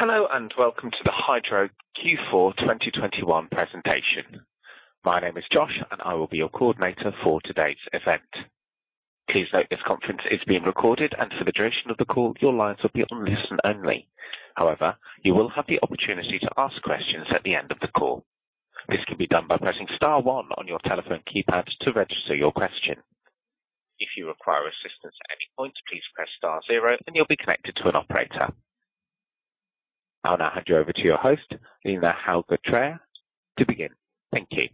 Hello and welcome to the Hydro Q4 2021 presentation. My name is Josh, and I will be your coordinator for today's event. Please note this conference is being recorded, and for the duration of the call, your lines will be on listen only. However, you will have the opportunity to ask questions at the end of the call. This can be done by pressing star one on your telephone keypad to register your question. If you require assistance at any point, please press star zero and you'll be connected to an operator. I'll now hand you over to your host, Line Haugetraa, to begin. Thank you.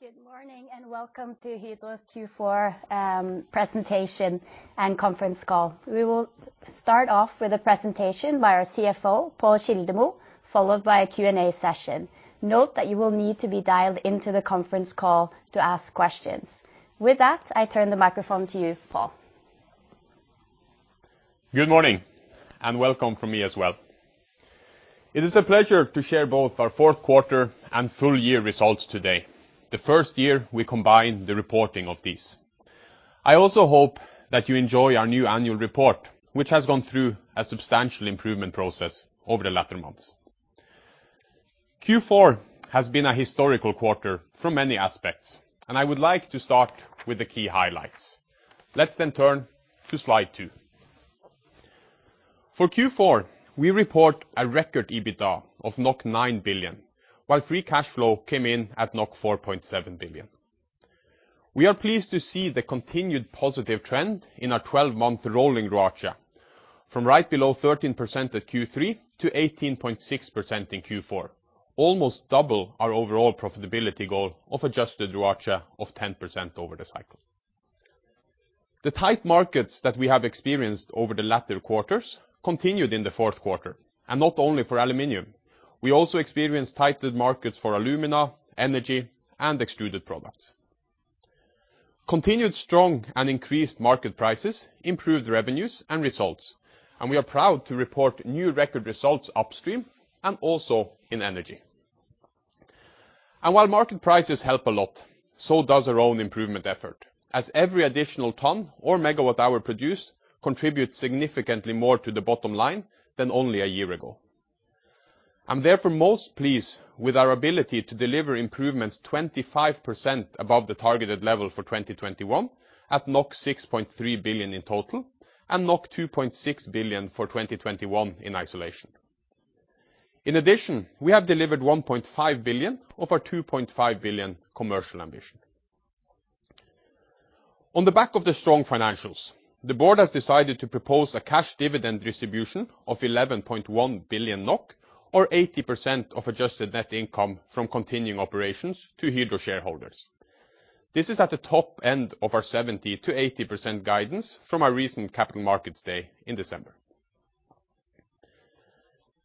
Good morning and welcome to Hydro's Q4 presentation and conference call. We will start off with a presentation by our CFO, Pål Kildemo, followed by a Q&A session. Note that you will need to be dialed into the conference call to ask questions. With that, I turn the microphone to you, Pål. Good morning and welcome from me as well. It is a pleasure to share both our fourth quarter and full year results today, the first year we combine the reporting of these. I also hope that you enjoy our new annual report, which has gone through a substantial improvement process over the latter months. Q4 has been a historical quarter from many aspects, and I would like to start with the key highlights. Let's then turn to slide two. For Q4, we report a record EBITDA of 9 billion, while free cash flow came in at 4.7 billion. We are pleased to see the continued positive trend in our 12-month rolling ROACE from right below 13% at Q3 to 18.6% in Q4, almost double our overall profitability goal of adjusted ROACE of 10% over the cycle. The tight markets that we have experienced over the latter quarters continued in the fourth quarter, and not only for aluminum. We also experienced tighter markets for alumina, energy, and extruded products. Continued strong and increased market prices improved revenues and results, and we are proud to report new record results upstream and also in energy. While market prices help a lot, so does our own improvement effort. As every additional ton or megawatt hour produced contributes significantly more to the bottom line than only a year ago. I'm therefore most pleased with our ability to deliver improvements 25% above the targeted level for 2021 at 6.3 billion in total and 2.6 billion for 2021 in isolation. In addition, we have delivered 1.5 billion of our 2.5 billion commercial ambition. On the back of the strong financials, the board has decided to propose a cash dividend distribution of 11.1 billion NOK, or 80% of adjusted net income from continuing operations to Hydro shareholders. This is at the top end of our 70%-80% guidance from our recent Capital Markets Day in December.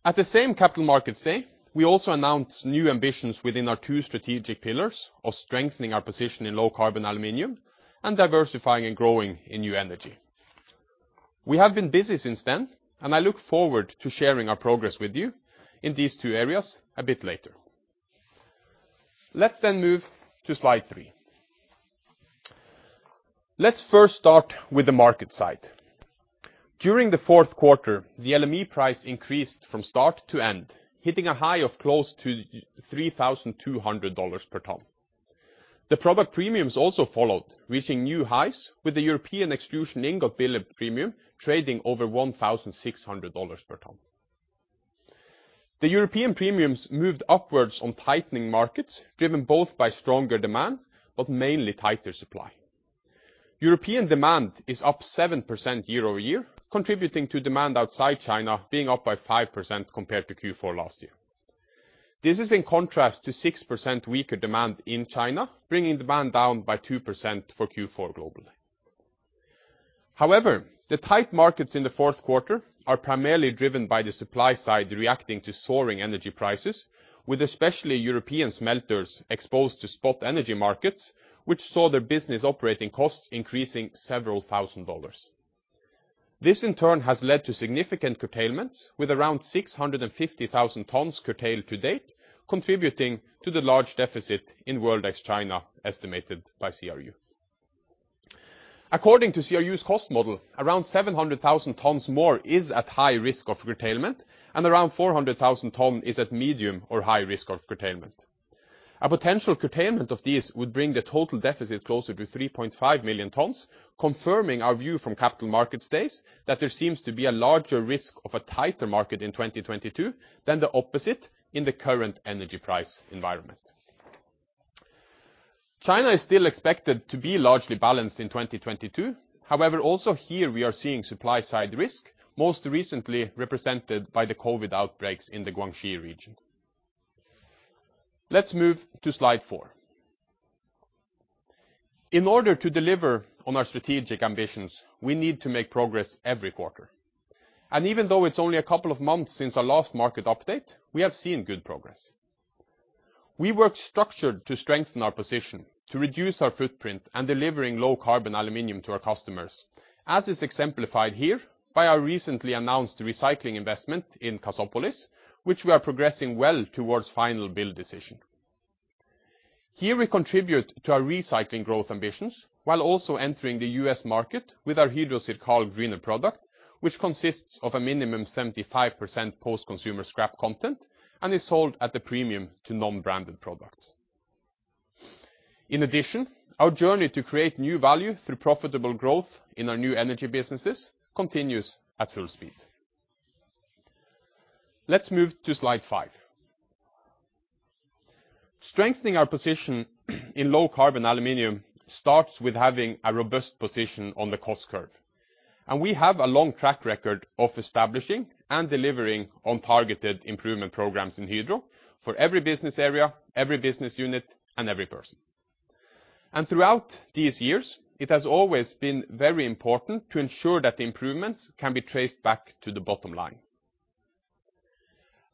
At the same Capital Markets Day, we also announced new ambitions within our two strategic pillars of strengthening our position in low-carbon aluminum and diversifying and growing in new energy. We have been busy since then, and I look forward to sharing our progress with you in these two areas a bit later. Let's then move to slide three. Let's first start with the market side. During the fourth quarter, the LME price increased from start to end, hitting a high of close to $3,200 per ton. The product premiums also followed, reaching new highs with the European extrusion ingot premium trading over $1,600 per ton. The European premiums moved upwards on tightening markets, driven both by stronger demand but mainly tighter supply. European demand is up 7% year-over-year, contributing to demand outside China being up by 5% compared to Q4 last year. This is in contrast to 6% weaker demand in China, bringing demand down by 2% for Q4 globally. However, the tight markets in the fourth quarter are primarily driven by the supply side reacting to soaring energy prices, with especially European smelters exposed to spot energy markets, which saw their business operating costs increasing several thousand dollars. This, in turn, has led to significant curtailment, with around 650,000 tons curtailed to date, contributing to the large deficit in World ex China, estimated by CRU. According to CRU's cost model, around 700,000 tons more is at high risk of curtailment, and around 400,000 tons is at medium or high risk of curtailment. A potential curtailment of this would bring the total deficit closer to 3.5 million tons, confirming our view from Capital Markets Day that there seems to be a larger risk of a tighter market in 2022 than the opposite in the current energy price environment. China is still expected to be largely balanced in 2022. However, also here we are seeing supply-side risk, most recently represented by the COVID outbreaks in the Guangxi region. Let's move to slide four. In order to deliver on our strategic ambitions, we need to make progress every quarter. Even though it's only a couple of months since our last market update, we have seen good progress. We work structured to strengthen our position, to reduce our footprint and delivering low-carbon aluminum to our customers, as is exemplified here by our recently announced recycling investment in Kazakhstan, which we are progressing well towards final build decision. Here we contribute to our recycling growth ambitions, while also entering the U.S. market with our Hydro CIRCAL greener product, which consists of a minimum 75% post-consumer scrap content and is sold at a premium to non-branded products. In addition, our journey to create new value through profitable growth in our new energy businesses continues at full speed. Let's move to slide five. Strengthening our position in low carbon aluminum starts with having a robust position on the cost curve. We have a long track record of establishing and delivering on targeted improvement programs in Hydro for every business area, every business unit, and every person. Throughout these years, it has always been very important to ensure that the improvements can be traced back to the bottom line.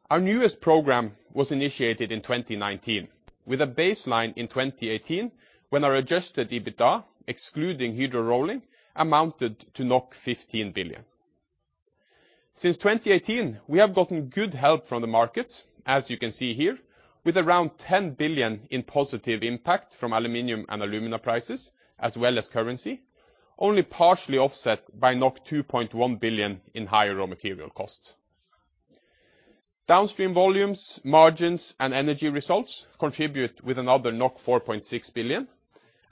Our newest program was initiated in 2019, with a baseline in 2018 when our adjusted EBITDA, excluding Hydro Rolling, amounted to 15 billion. Since 2018, we have gotten good help from the markets, as you can see here, with around 10 billion in positive impact from aluminum and alumina prices, as well as currency, only partially offset by 2.1 billion in higher raw material costs. Downstream volumes, margins, and energy results contribute with another 4.6 billion,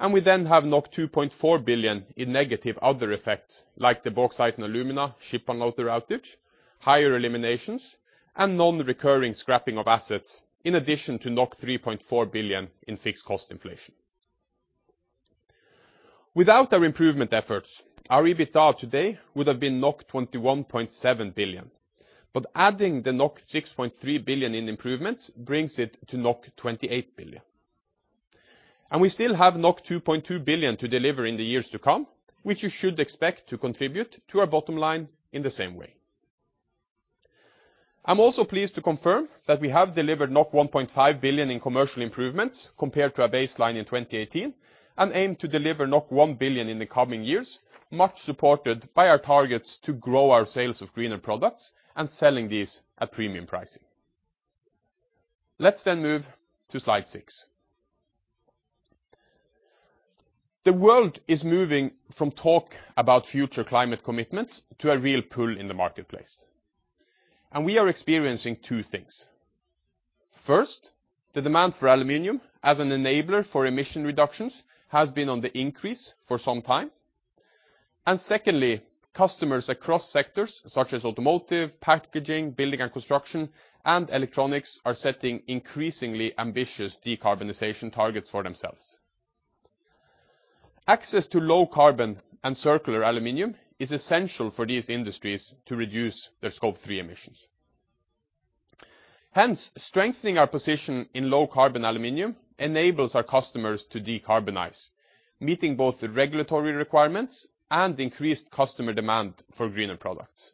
and we then have 2.4 billion in negative other effects, like the Bauxite & Alumina ship unloader outage, higher eliminations, and non-recurring scrapping of assets, in addition to 3.4 billion in fixed cost inflation. Without our improvement efforts, our EBITDA today would have been 21.7 billion. Adding the 6.3 billion in improvements brings it to 28 billion. We still have 2.2 billion to deliver in the years to come, which you should expect to contribute to our bottom line in the same way. I'm also pleased to confirm that we have delivered 1.5 billion in commercial improvements compared to our baseline in 2018, and aim to deliver 1 billion in the coming years, much supported by our targets to grow our sales of greener products and selling these at premium pricing. Let's move to slide six. The world is moving from talk about future climate commitments to a real pull in the marketplace. We are experiencing two things. First, the demand for aluminum as an enabler for emission reductions has been on the increase for some time. Secondly, customers across sectors such as automotive, packaging, building and construction, and electronics are setting increasingly ambitious decarbonization targets for themselves. Access to low carbon and circular aluminum is essential for these industries to reduce their Scope 3 emissions. Hence, strengthening our position in low carbon aluminum enables our customers to decarbonize, meeting both the regulatory requirements and increased customer demand for greener products.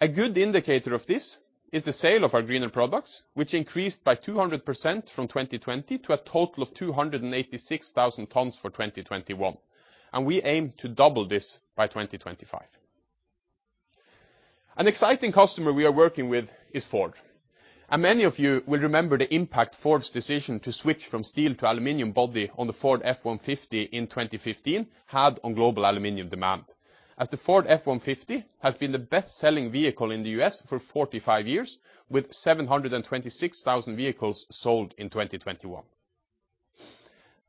A good indicator of this is the sale of our greener products, which increased by 200% from 2020 to a total of 286,000 tons for 2021, and we aim to double this by 2025. An exciting customer we are working with is Ford. Many of you will remember the impact Ford's decision to switch from steel to aluminum body on the Ford F-150 in 2015 had on global aluminum demand, as the Ford F-150 has been the best-selling vehicle in the U.S. for 45 years, with 726,000 vehicles sold in 2021.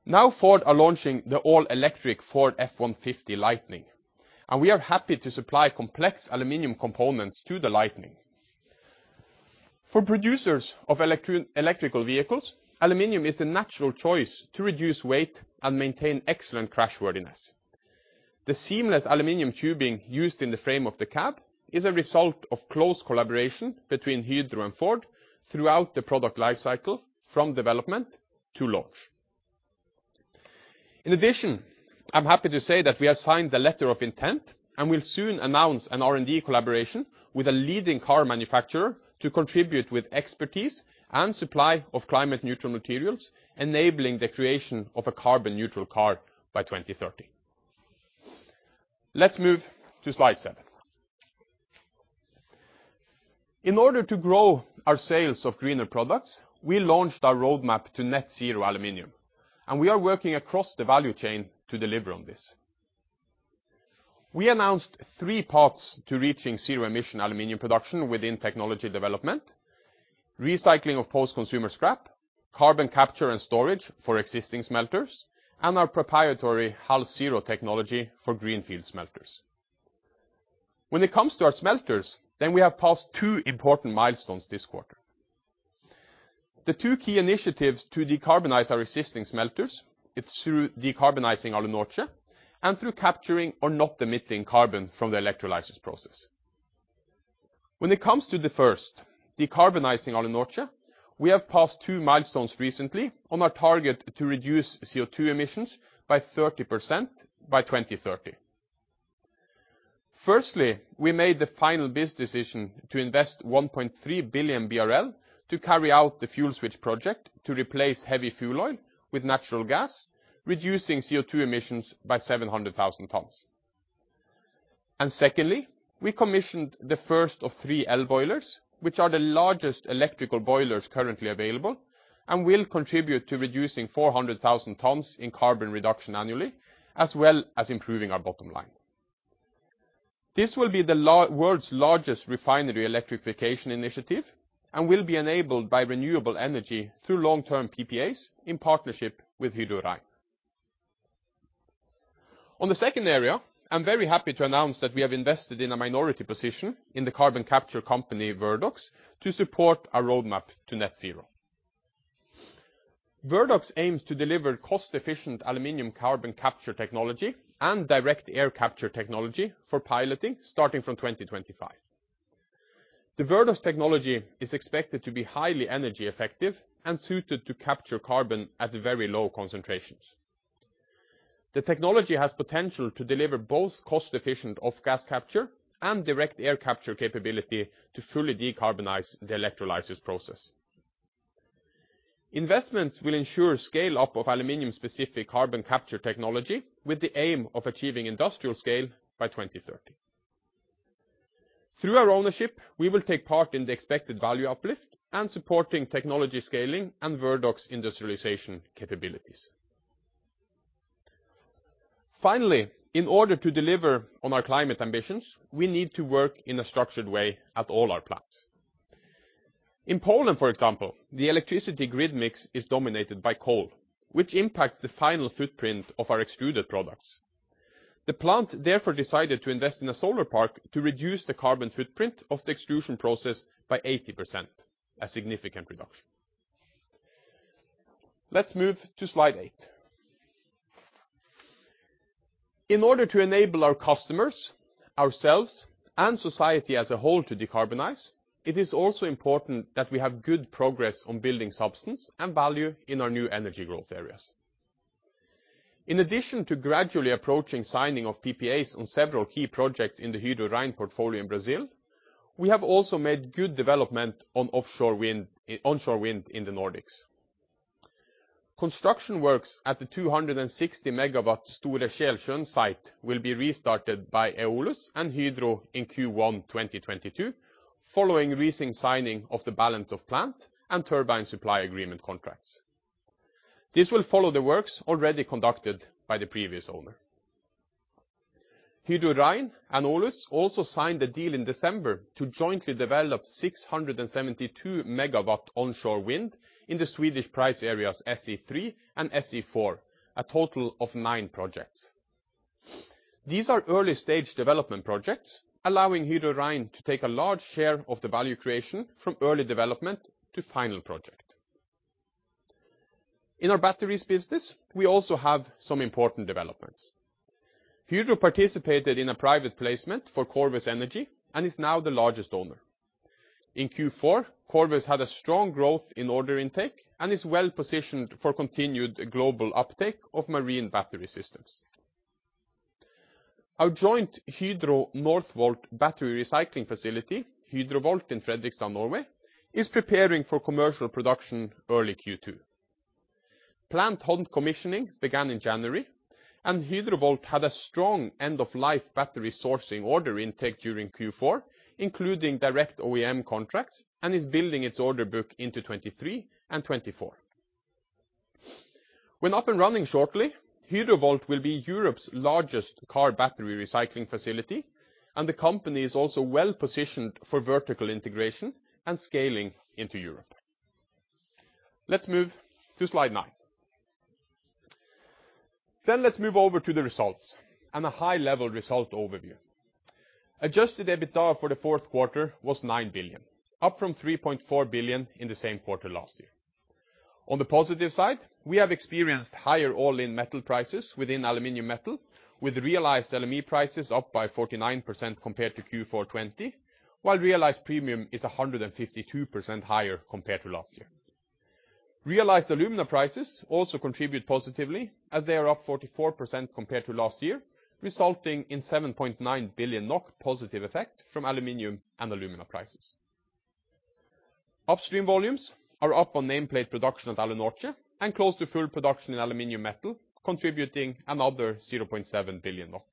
Now Ford is launching the all-electric Ford F-150 Lightning, and we are happy to supply complex aluminum components to the Lightning. For producers of electric vehicles, aluminum is a natural choice to reduce weight and maintain excellent crashworthiness. The seamless aluminum tubing used in the frame of the cab is a result of close collaboration between Hydro and Ford throughout the product life cycle from development to launch. In addition, I'm happy to say that we have signed the letter of intent and will soon announce an R&D collaboration with a leading car manufacturer to contribute with expertise and supply of climate neutral materials, enabling the creation of a carbon-neutral car by 2030. Let's move to slide seven. In order to grow our sales of greener products, we launched our roadmap to net-zero aluminum, and we are working across the value chain to deliver on this. We announced three paths to reaching zero emission aluminum production within technology development, recycling of post-consumer scrap, carbon capture and storage for existing smelters, and our proprietary HalZero technology for greenfield smelters. When it comes to our smelters, then we have passed two important milestones this quarter. The two key initiatives to decarbonize our existing smelters is through decarbonizing Alunorte and through capturing or not emitting carbon from the electrolysis process. When it comes to the first, decarbonizing Alunorte, we have passed two milestones recently on our target to reduce CO₂ emissions by 30% by 2030. Firstly, we made the final biz decision to invest 1.3 billion BRL to carry out the fuel switch project to replace heavy fuel oil with natural gas, reducing CO₂ emissions by 700,000 tons. Secondly, we commissioned the first of three IEH boilers, which are the largest electrical boilers currently available and will contribute to reducing 400,000 tons in carbon reduction annually, as well as improving our bottom line. This will be the world's largest refinery electrification initiative and will be enabled by renewable energy through long-term PPAs in partnership with Hydro Rein. On the second area, I'm very happy to announce that we have invested in a minority position in the carbon capture company Verdox to support our roadmap to net zero. Verdox aims to deliver cost-efficient aluminum carbon capture technology and direct air capture technology for piloting starting from 2025. The Verdox technology is expected to be highly energy effective and suited to capture carbon at very low concentrations. The technology has potential to deliver both cost efficient off gas capture and direct air capture capability to fully decarbonize the electrolysis process. Investments will ensure scale-up of aluminum-specific carbon capture technology with the aim of achieving industrial scale by 2030. Through our ownership, we will take part in the expected value uplift and supporting technology scaling and Verdox industrialization capabilities. Finally, in order to deliver on our climate ambitions, we need to work in a structured way at all our plants. In Poland, for example, the electricity grid mix is dominated by coal, which impacts the final footprint of our extruded products. The plant therefore decided to invest in a solar park to reduce the carbon footprint of the extrusion process by 80%, a significant reduction. Let's move to slide eight. In order to enable our customers, ourselves, and society as a whole to decarbonize, it is also important that we have good progress on building substance and value in our new energy growth areas. In addition to gradually approaching signing of PPAs on several key projects in the Hydro Rein portfolio in Brazil, we have also made good development on onshore wind in the Nordics. Construction works at the 260 MW Stor-Kjølsåsen site will be restarted by Eolus and Hydro Rein in Q1 2022 following recent signing of the balance of plant and turbine supply agreement contracts. This will follow the works already conducted by the previous owner. Hydro Rein and Eolus also signed the deal in December to jointly develop 672 MW onshore wind in the Swedish price areas SE3 and SE4, a total of nine projects. These are early stage development projects, allowing Hydro Rein to take a large share of the value creation from early development to final project. In our batteries business, we also have some important developments. Hydro participated in a private placement for Corvus Energy and is now the largest owner. In Q4, Corvus had a strong growth in order intake and is well-positioned for continued global uptake of marine battery systems. Our joint Hydro Northvolt battery recycling facility, Hydrovolt in Fredrikstad, Norway, is preparing for commercial production early Q2. Plant hot commissioning began in January, and Hydrovolt had a strong end-of-life battery sourcing order intake during Q4, including direct OEM contracts, and is building its order book into 2023 and 2024. When up and running shortly, Hydrovolt will be Europe's largest car battery recycling facility, and the company is also well-positioned for vertical integration and scaling into Europe. Let's move to slide nine. Let's move over to the results and a high-level result overview. Adjusted EBITDA for the fourth quarter was 9 billion, up from 3.4 billion in the same quarter last year. On the positive side, we have experienced higher all-in metal prices within Aluminum Metal, with realized LME prices up 49% compared to Q4 2020, while realized premium is 152% higher compared to last year. Realized alumina prices also contribute positively as they are up 44% compared to last year, resulting in 7.9 billion NOK positive effect from aluminum and alumina prices. Upstream volumes are up on nameplate production at Alunorte and close to full production in Aluminum Metal, contributing another 0.7 billion NOK.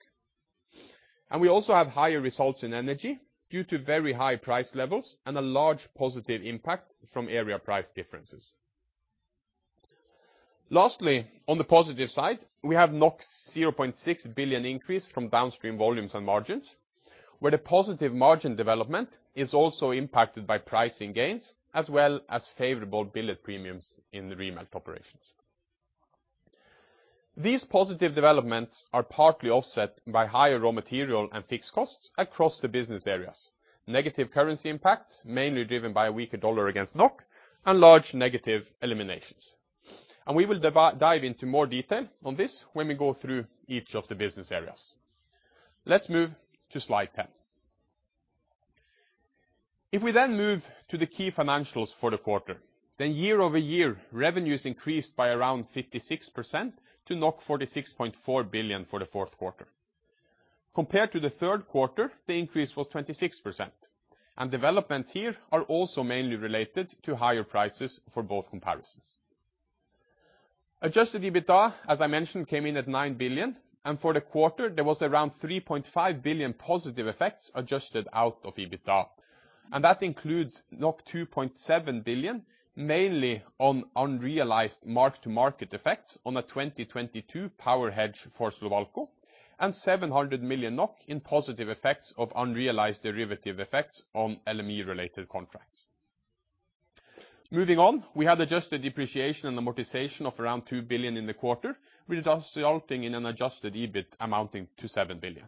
We also have higher results in energy due to very high price levels and a large positive impact from area price differences. Lastly, on the positive side, we have 0.6 billion increase from downstream volumes and margins, where the positive margin development is also impacted by pricing gains as well as favorable billet premiums in the remelt operations. These positive developments are partly offset by higher raw material and fixed costs across the business areas, negative currency impacts, mainly driven by a weaker dollar against NOK, and large negative eliminations. We will dive into more detail on this when we go through each of the business areas. Let's move to slide 10. If we then move to the key financials for the quarter, then year-over-year revenues increased by around 56% to 46.4 billion for the fourth quarter. Compared to the third quarter, the increase was 26%, and developments here are also mainly related to higher prices for both comparisons. Adjusted EBITDA, as I mentioned, came in at 9 billion. For the quarter, there was around 3.5 billion positive effects adjusted out of EBITDA. That includes 2.7 billion, mainly on unrealized mark-to-market effects on the 2022 power hedge for Slovalco, and 700 million NOK in positive effects of unrealized derivative effects on LME-related contracts. Moving on, we had adjusted depreciation and amortization of around 2 billion in the quarter, resulting in an adjusted EBIT amounting to 7 billion.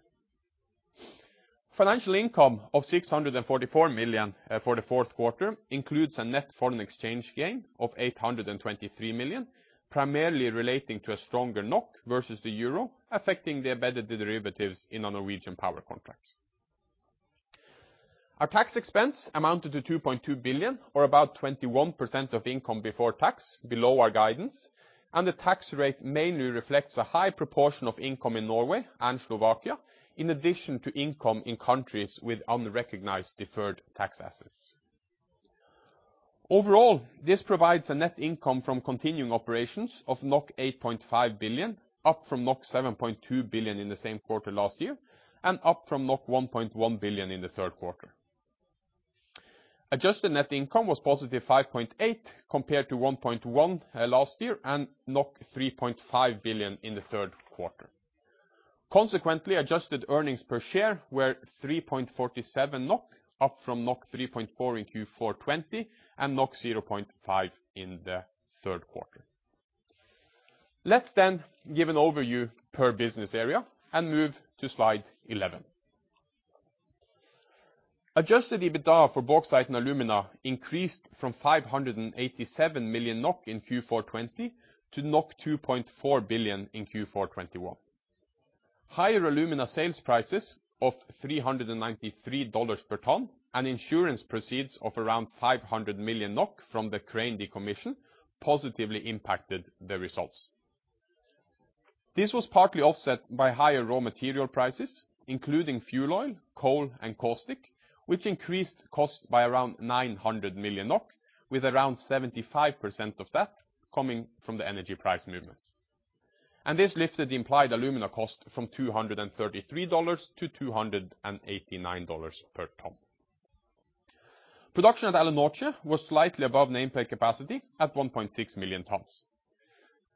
Financial income of 644 million for the fourth quarter includes a net foreign exchange gain of 823 million, primarily relating to a stronger NOK versus the euro, affecting the embedded derivatives in our Norwegian power contracts. Our tax expense amounted to 2.2 billion, or about 21% of income before tax, below our guidance. The tax rate mainly reflects a high proportion of income in Norway and Slovakia, in addition to income in countries with unrecognized deferred tax assets. Overall, this provides a net income from continuing operations of 8.5 billion, up from 7.2 billion in the same quarter last year, and up from 1.1 billion in the third quarter. Adjusted net income was +5.8 compared to 1.1 last year, and 3.5 billion in the third quarter. Consequently, adjusted earnings per share were 3.47 billion NOK, up from 3.4 billion in Q4 2020, and 0.5 billion in the third quarter. Let's then give an overview per business area and move to slide 11. Adjusted EBITDA for Bauxite & Alumina increased from 587 million NOK in Q4 2020 to 2.4 billion in Q4 2021. Higher alumina sales prices of $393 per ton and insurance proceeds of around 500 million NOK from the crane decommission positively impacted the results. This was partly offset by higher raw material prices, including fuel oil, coal, and caustic, which increased costs by around 900 million NOK, with around 75% of that coming from the energy price movements. This lifted the implied alumina cost from $233 to $289 per ton. Production at Alunorte was slightly above nameplate capacity at 1.6 million tons.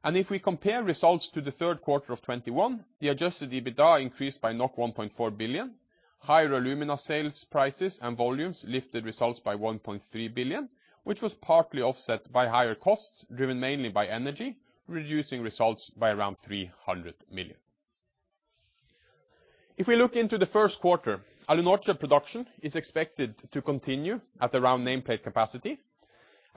If we compare results to the third quarter of 2021, the adjusted EBITDA increased by 1.4 billion. Higher alumina sales prices and volumes lifted results by 1.3 billion, which was partly offset by higher costs, driven mainly by energy, reducing results by around 300 million. If we look into the first quarter, Alunorte production is expected to continue at around nameplate capacity.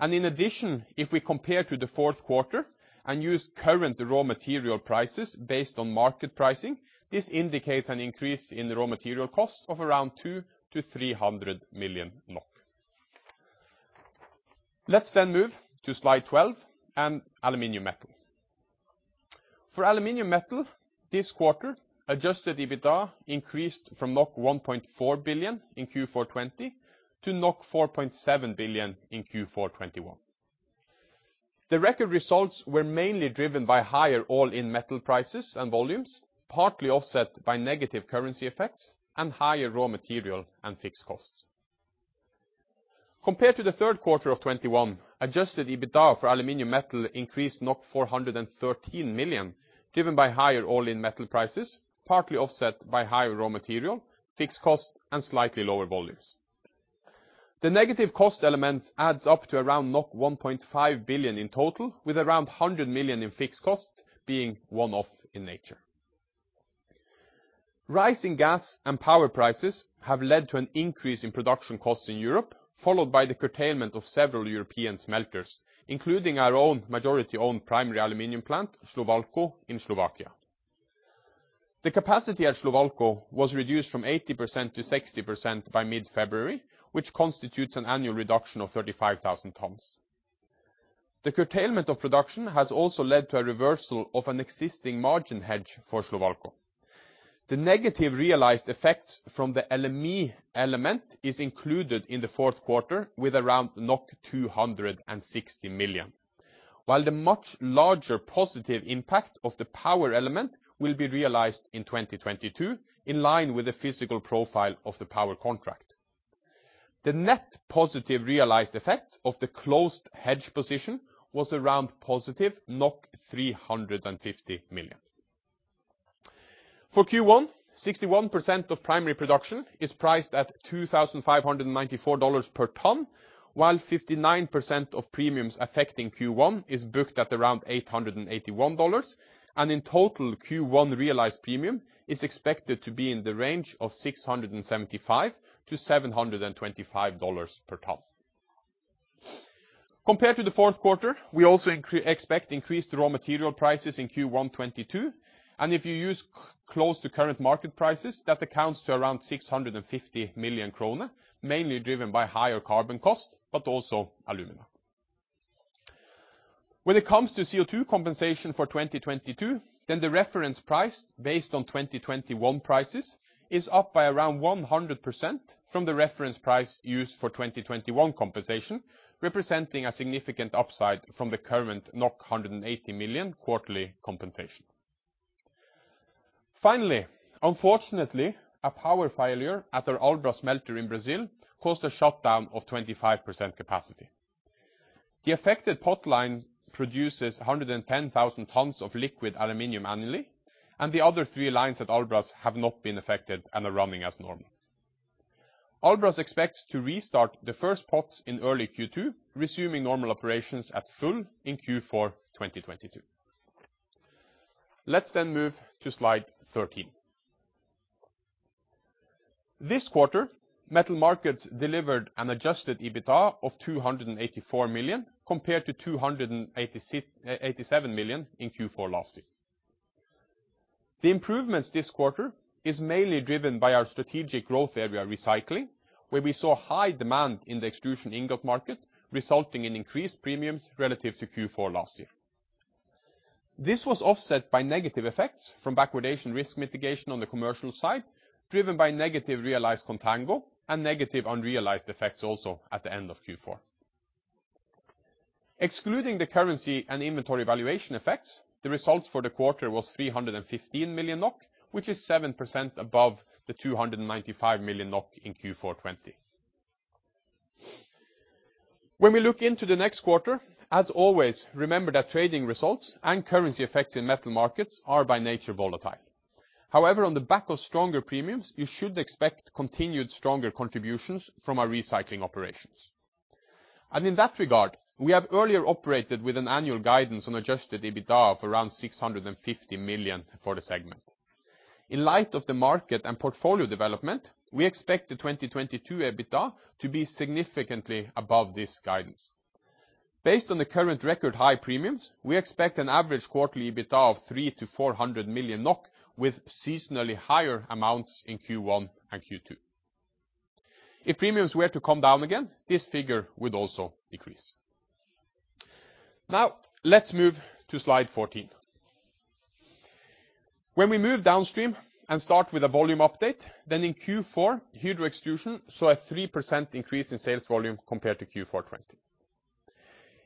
In addition, if we compare to the fourth quarter and use current raw material prices based on market pricing, this indicates an increase in the raw material cost of around 200-300 million NOK. Let's then move to slide 12 and Aluminium Metal. For Aluminium Metal this quarter, adjusted EBITDA increased from 1.4 billion in Q4 2020 to 4.7 billion in Q4 2021. The record results were mainly driven by higher all-in metal prices and volumes, partly offset by negative currency effects and higher raw material and fixed costs. Compared to the third quarter of 2021, adjusted EBITDA for Aluminium Metal increased 413 million, driven by higher all-in metal prices, partly offset by higher raw material, fixed cost, and slightly lower volumes. The negative cost elements adds up to around 1.5 billion in total, with around 100 million in fixed cost being one-off in nature. Rising gas and power prices have led to an increase in production costs in Europe, followed by the curtailment of several European smelters, including our own majority-owned primary aluminium plant, Slovalco, in Slovakia. The capacity at Slovalco was reduced from 80% to 60% by mid-February, which constitutes an annual reduction of 35,000 tons. The curtailment of production has also led to a reversal of an existing margin hedge for Slovalco. The negative realized effects from the LME element is included in the fourth quarter with around 260 million, while the much larger positive impact of the power element will be realized in 2022, in line with the physical profile of the power contract. The net positive realized effect of the closed hedge position was around +350 million. For Q1, 61% of primary production is priced at $2,594 per ton, while 59% of premiums affecting Q1 is booked at around $881. In total, Q1 realized premium is expected to be in the range of $675-$725 per ton. Compared to the fourth quarter, we also expect increased raw material prices in Q1 2022, and if you use close to current market prices, that amounts to around 650 million kroner, mainly driven by higher carbon costs, but also alumina. When it comes to CO2 compensation for 2022, the reference price based on 2021 prices is up by around 100% from the reference price used for 2021 compensation, representing a significant upside from the current 180 million quarterly compensation. Finally, unfortunately, a power failure at our Albras smelter in Brazil caused a shutdown of 25% capacity. The affected pot line produces 110,000 tons of liquid aluminum annually, and the other three lines at Albras have not been affected and are running as normal. Albras expects to restart the first pots in early Q2, resuming normal operations at full in Q4 2022. Let's then move to slide 13. This quarter, metal markets delivered an adjusted EBITDA of 284 million compared to 287 million in Q4 last year. The improvements this quarter is mainly driven by our strategic growth area recycling, where we saw high demand in the extrusion ingot market, resulting in increased premiums relative to Q4 last year. This was offset by negative effects from backwardation risk mitigation on the commercial side, driven by negative realized contango and negative unrealized effects also at the end of Q4. Excluding the currency and inventory valuation effects, the results for the quarter was 315 million NOK, which is 7% above the 295 million NOK in Q4 2020. When we look into the next quarter, as always, remember that trading results and currency effects in metal markets are by nature volatile. However, on the back of stronger premiums, you should expect continued stronger contributions from our recycling operations. In that regard, we have earlier operated with an annual guidance on adjusted EBITDA of around 650 million for the segment. In light of the market and portfolio development, we expect the 2022 EBITDA to be significantly above this guidance. Based on the current record high premiums, we expect an average quarterly EBITDA of 300 million-400 million NOK with seasonally higher amounts in Q1 and Q2. If premiums were to come down again, this figure would also decrease. Now, let's move to slide 14. When we move downstream and start with a volume update, then in Q4, Hydro Extrusions saw a 3% increase in sales volume compared to Q4 2020.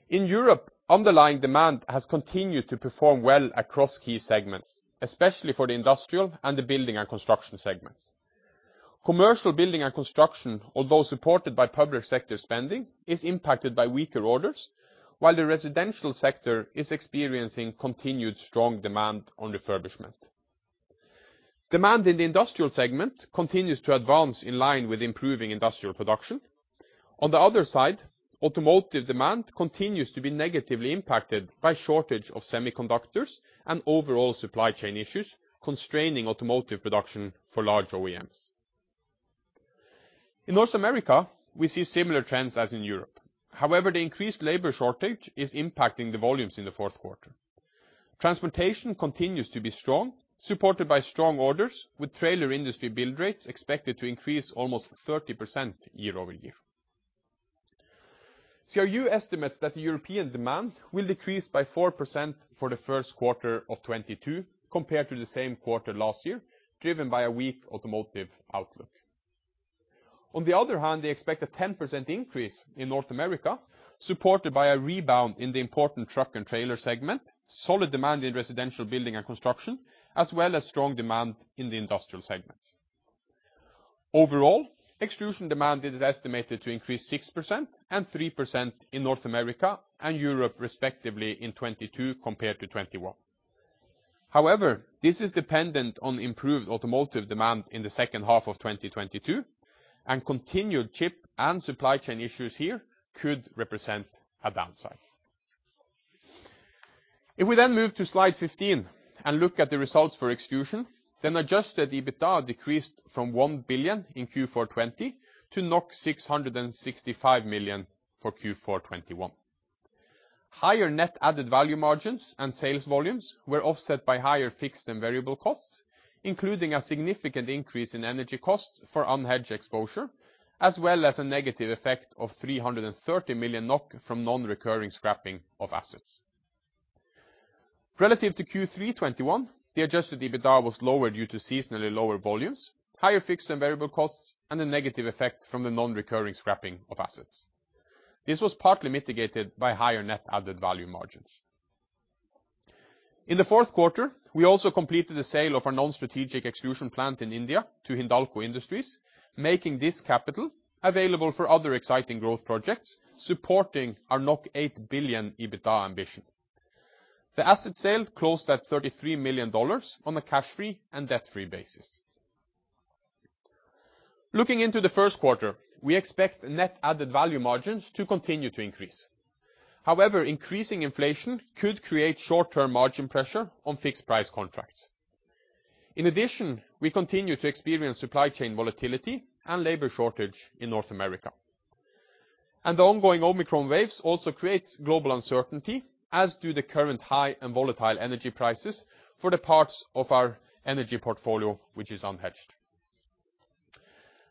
In Europe, underlying demand has continued to perform well across key segments, especially for the industrial and the building and construction segments. Commercial building and construction, although supported by public sector spending, is impacted by weaker orders, while the residential sector is experiencing continued strong demand on refurbishment. Demand in the industrial segment continues to advance in line with improving industrial production. On the other side, automotive demand continues to be negatively impacted by shortage of semiconductors and overall supply chain issues, constraining automotive production for large OEMs. In North America, we see similar trends as in Europe. However, the increased labor shortage is impacting the volumes in the fourth quarter. Transportation continues to be strong, supported by strong orders with trailer industry build rates expected to increase almost 30% year-over-year. CRU estimates that the European demand will decrease by 4% for the first quarter of 2022 compared to the same quarter last year, driven by a weak automotive outlook. On the other hand, they expect a 10% increase in North America, supported by a rebound in the important truck and trailer segment, solid demand in residential building and construction, as well as strong demand in the industrial segments. Overall, extrusion demand is estimated to increase 6% and 3% in North America and Europe, respectively in 2022 compared to 2021. However, this is dependent on improved automotive demand in the second half of 2022, and continued chip and supply chain issues here could represent a downside. If we move to slide 15 and look at the results for Extrusions, adjusted EBITDA decreased from 1 billion in Q4 2020 to 665 million for Q4 2021. Higher net added value margins and sales volumes were offset by higher fixed and variable costs, including a significant increase in energy costs for unhedged exposure, as well as a negative effect of 330 million NOK from non-recurring scrapping of assets. Relative to Q3 2021, the adjusted EBITDA was lower due to seasonally lower volumes, higher fixed and variable costs, and a negative effect from the non-recurring scrapping of assets. This was partly mitigated by higher net added value margins. In the fourth quarter, we also completed the sale of our non-strategic extrusion plant in India to Hindalco Industries, making this capital available for other exciting growth projects, supporting our 8 billion EBITDA ambition. The asset sale closed at $33 million on a cash-free and debt-free basis. Looking into the first quarter, we expect net added value margins to continue to increase. However, increasing inflation could create short-term margin pressure on fixed price contracts. In addition, we continue to experience supply chain volatility and labor shortage in North America. The ongoing Omicron waves also creates global uncertainty, as do the current high and volatile energy prices for the parts of our energy portfolio which is unhedged.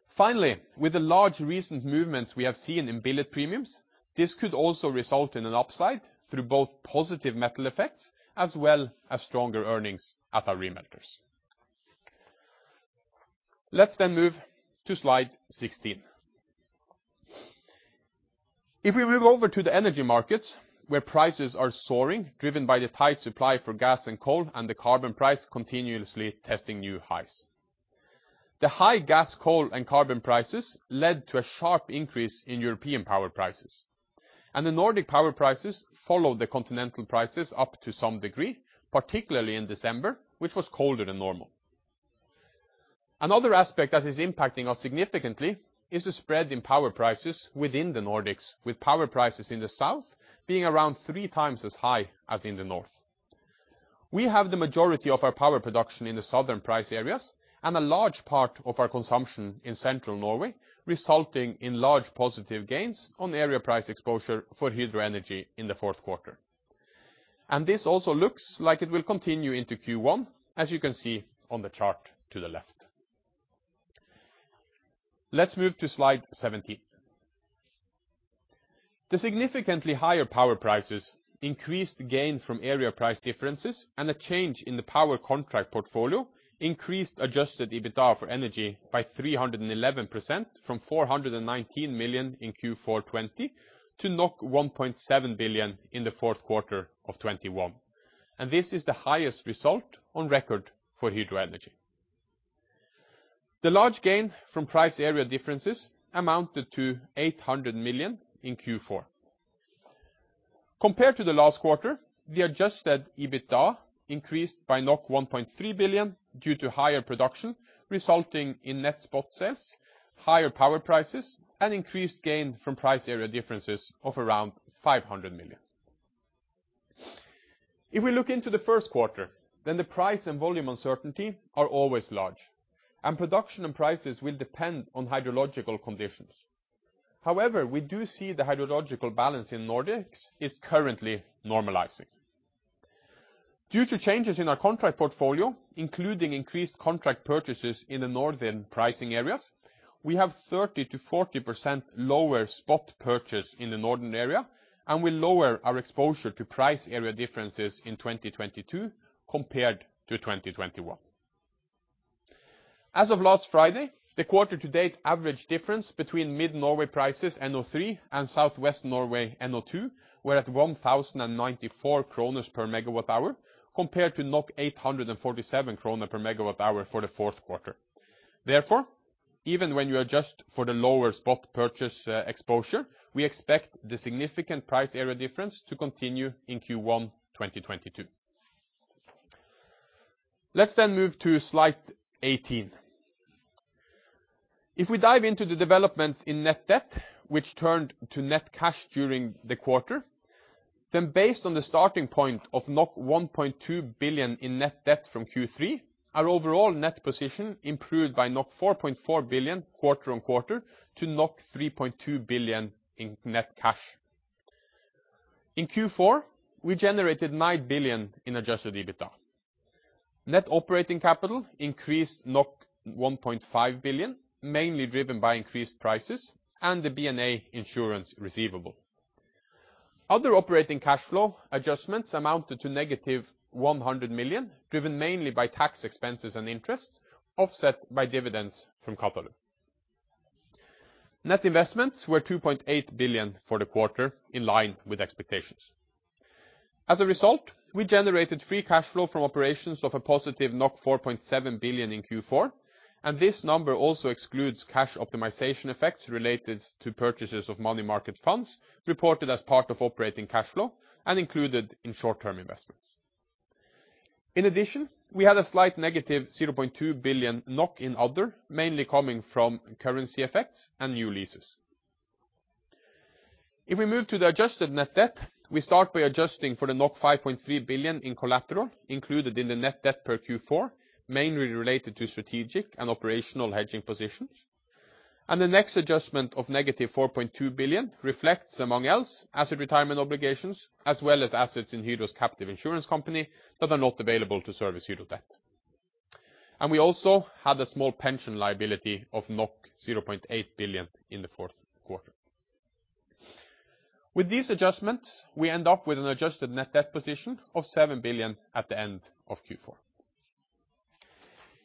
Finally, with the large recent movements we have seen in billet premiums, this could also result in an upside through both positive metal effects as well as stronger earnings at our remelters. Let's then move to slide 16. If we move over to the energy markets where prices are soaring, driven by the tight supply for gas and coal and the carbon price continuously testing new highs. The high gas, coal, and carbon prices led to a sharp increase in European power prices, and the Nordic power prices followed the continental prices up to some degree, particularly in December, which was colder than normal. Another aspect that is impacting us significantly is the spread in power prices within the Nordics, with power prices in the south being around three times as high as in the north. We have the majority of our power production in the southern price areas and a large part of our consumption in central Norway, resulting in large positive gains on the area price exposure for hydro energy in the fourth quarter. This also looks like it will continue into Q1, as you can see on the chart to the left. Let's move to slide 17. The significantly higher power prices increased gain from area price differences and a change in the power contract portfolio increased adjusted EBITDA for energy by 311% from 419 million in Q4 2020 to 1.7 billion in the fourth quarter of 2021. This is the highest result on record for hydro energy. The large gain from price area differences amounted to 800 million in Q4. Compared to the last quarter, the adjusted EBITDA increased by 1.3 billion due to higher production, resulting in net spot sales, higher power prices, and increased gain from price area differences of around 500 million. If we look into the first quarter, the price and volume uncertainty are always large, and production and prices will depend on hydrological conditions. However, we do see the hydrological balance in Nordics is currently normalizing. Due to changes in our contract portfolio, including increased contract purchases in the northern pricing areas, we have 30%-40% lower spot purchase in the northern area, and will lower our exposure to price area differences in 2022 compared to 2021. As of last Friday, the quarter to date average difference between mid Norway prices, NO3, and Southwest Norway, NO2, were at 1,094 kroner per megawatt-hour compared to 847 kroner per megawatt-hour for the fourth quarter. Therefore, even when you adjust for the lower spot purchase exposure, we expect the significant price area difference to continue in Q1 2022. Let's move to slide 18. If we dive into the developments in net debt which turned to net cash during the quarter, based on the starting point of 1.2 billion in net debt from Q3, our overall net position improved by 4.4 billion quarter-on-quarter to 3.2 billion in net cash. In Q4, we generated 9 billion in adjusted EBITDA. Net operating capital increased 1.5 billion, mainly driven by increased prices and the B&A insurance receivable. Other operating cash flow adjustments amounted to -100 million, driven mainly by tax expenses and interest, offset by dividends from Qatalum. Net investments were 2.8 billion for the quarter, in line with expectations. As a result, we generated free cash flow from operations of a +4.7 billion in Q4, and this number also excludes cash optimization effects related to purchases of money market funds reported as part of operating cash flow and included in short-term investments. In addition, we had a slight -0.2 billion NOK in other, mainly coming from currency effects and new leases. If we move to the adjusted net debt, we start by adjusting for the 5.3 billion in collateral included in the net debt per Q4, mainly related to strategic and operational hedging positions. The next adjustment of -4.2 billion reflects, among other, asset retirement obligations, as well as assets in Hydro's captive insurance company that are not available to service Hydro debt. We also had a small pension liability of 0.8 billion in the fourth quarter. With these adjustments, we end up with an adjusted net debt position of 7 billion at the end of Q4.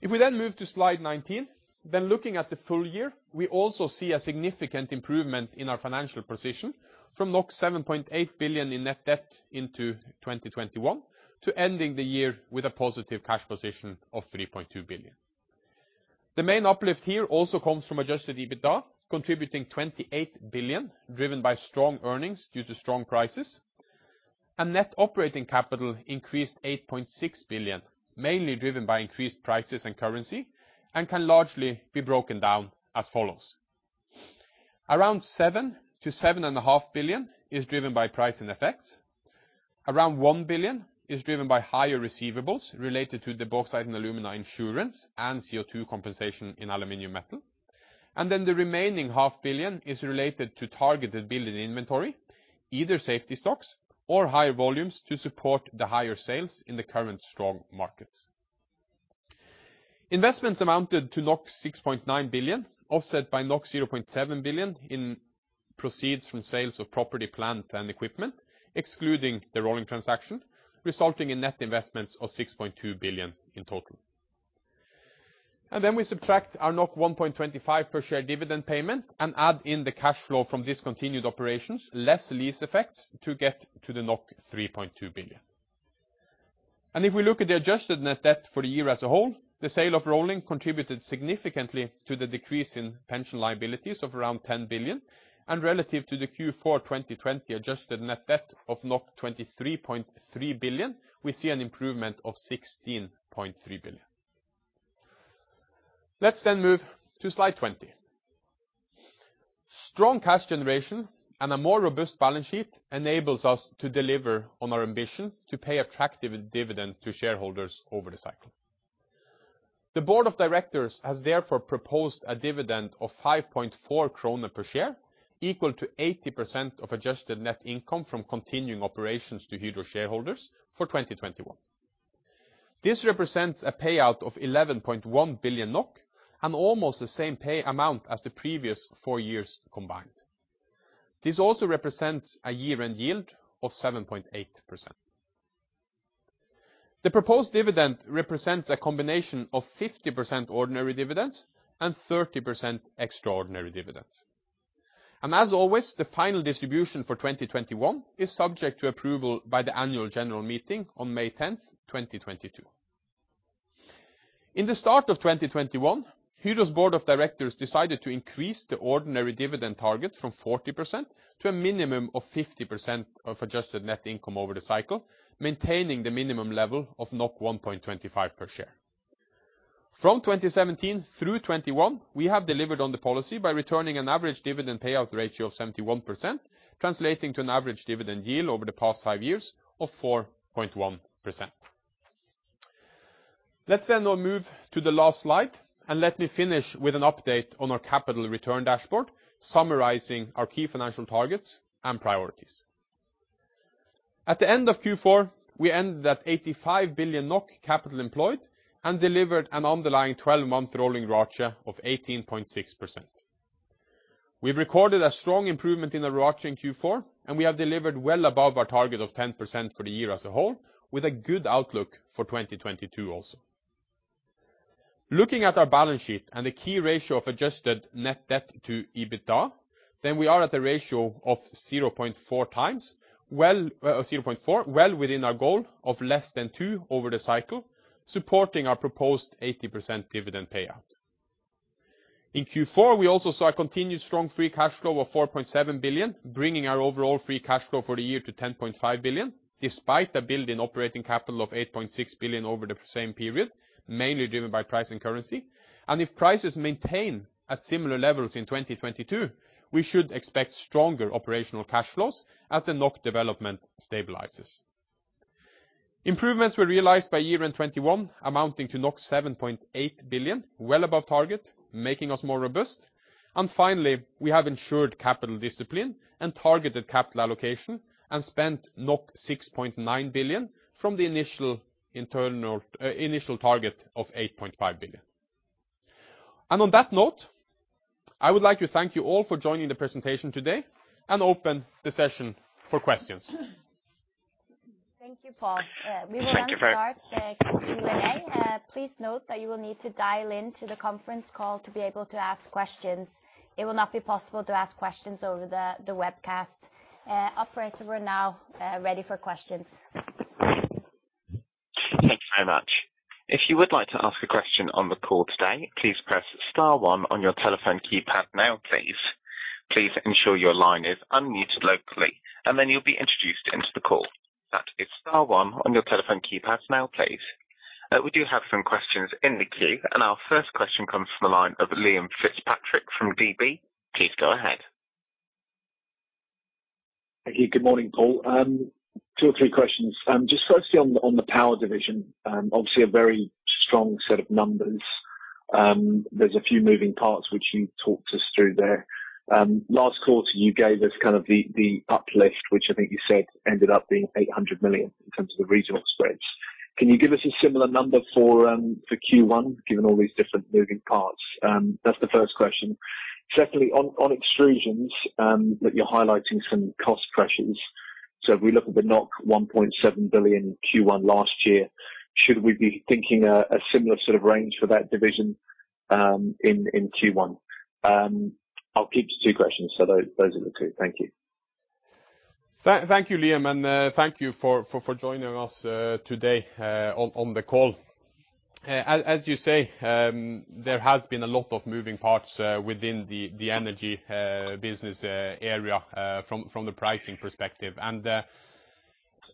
If we then move to slide 19, looking at the full year, we also see a significant improvement in our financial position from 7.8 billion in net debt in 2021 to ending the year with a positive cash position of 3.2 billion. The main uplift here also comes from adjusted EBITDA, contributing 28 billion, driven by strong earnings due to strong prices. Net operating capital increased 8.6 billion, mainly driven by increased prices and currency, and can largely be broken down as follows. Around 7 billion-7.5 billion is driven by price and effects. Around 1 billion is driven by higher receivables related to the Bauxite & Alumina insurance and CO2 compensation in Aluminum Metal. The remaining half billion is related to targeted build in inventory, either safety stocks or higher volumes to support the higher sales in the current strong markets. Investments amounted to 6.9 billion, offset by 0.7 billion in proceeds from sales of property, plant, and equipment, excluding the rolling transaction, resulting in net investments of 6.2 billion in total. We subtract our 1.25 per share dividend payment and add in the cash flow from discontinued operations, less lease effects to get to the 3.2 billion. If we look at the adjusted net debt for the year as a whole, the sale of Rolling contributed significantly to the decrease in pension liabilities of around 10 billion and relative to the Q4 2020 adjusted net debt of 23.3 billion, we see an improvement of 16.3 billion. Let's move to slide 20. Strong cash generation and a more robust balance sheet enables us to deliver on our ambition to pay attractive dividend to shareholders over the cycle. The board of directors has therefore proposed a dividend of 5.4 krone per share, equal to 80% of adjusted net income from continuing operations to Hydro shareholders for 2021. This represents a payout of 11.1 billion NOK and almost the same pay amount as the previous four years combined. This also represents a year-end yield of 7.8%. The proposed dividend represents a combination of 50% ordinary dividends and 30% extraordinary dividends. As always, the final distribution for 2021 is subject to approval by the Annual General Meeting on May 10th, 2022. In the start of 2021, Hydro's board of directors decided to increase the ordinary dividend target from 40% to a minimum of 50% of adjusted net income over the cycle, maintaining the minimum level of 1.25 per share. From 2017 through 2021, we have delivered on the policy by returning an average dividend payout ratio of 71%, translating to an average dividend yield over the past five years of 4.1%. Let's now move to the last slide, and let me finish with an update on our capital return dashboard, summarizing our key financial targets and priorities. At the end of Q4, we ended at 85 billion NOK capital employed and delivered an underlying 12-month rolling ROACE of 18.6%. We've recorded a strong improvement in the ROACE in Q4, and we have delivered well above our target of 10% for the year as a whole, with a good outlook for 2022 also. Looking at our balance sheet and the key ratio of adjusted net debt to EBITDA, we are at a ratio of 0.4x, well, 0.4, well within our goal of less than two over the cycle, supporting our proposed 80% dividend payout. In Q4, we also saw a continued strong free cash flow of 4.7 billion, bringing our overall free cash flow for the year to 10.5 billion, despite a build in operating capital of 8.6 billion over the same period, mainly driven by price and currency. If prices maintain at similar levels in 2022, we should expect stronger operational cash flows as the NOK development stabilizes. Improvements were realized by year-end 2021, amounting to 7.8 billion, well above target, making us more robust. Finally, we have ensured capital discipline and targeted capital allocation and spent 6.9 billion from the initial target of 8.5 billion. On that note, I would like to thank you all for joining the presentation today and open the session for questions. Thank you, Pål. We will now start the Q&A. Please note that you will need to dial in to the conference call to be able to ask questions. It will not be possible to ask questions over the webcast. Operator, we're now ready for questions. Thank you so much. If you would like to ask a question on the call today, please press star one on your telephone keypad now, please. Please ensure your line is unmuted locally, and then you'll be introduced into the call. That is star one on your telephone keypad now, please. We do have some questions in the queue, and our first question comes from the line of Liam Fitzpatrick from DB. Please go ahead. Thank you. Good morning, Pål. Two or three questions. Just firstly on the power division, obviously a very strong set of numbers. There's a few moving parts which you talked us through there. Last quarter, you gave us kind of the uplift, which I think you said ended up being 800 million in terms of the regional spreads. Can you give us a similar number for Q1, given all these different moving parts? That's the first question. Secondly, on extrusions, you're highlighting some cost pressures. If we look at the 1.7 billion Q1 last year, should we be thinking a similar sort of range for that division in Q1? I'll keep to two questions. Those are the two. Thank you. Thank you, Liam, and thank you for joining us today on the call. As you say, there has been a lot of moving parts within the energy business area from the pricing perspective.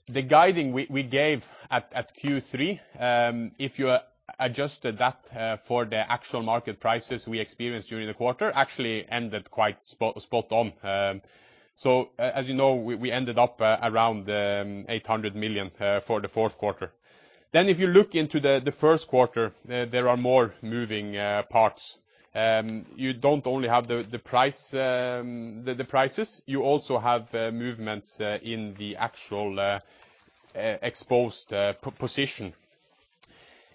The guiding we gave at Q3, if you adjusted that for the actual market prices we experienced during the quarter, actually ended quite spot on. As you know, we ended up around 800 million for the fourth quarter. If you look into the first quarter, there are more moving parts. You don't only have the prices, you also have movements in the actual exposed position.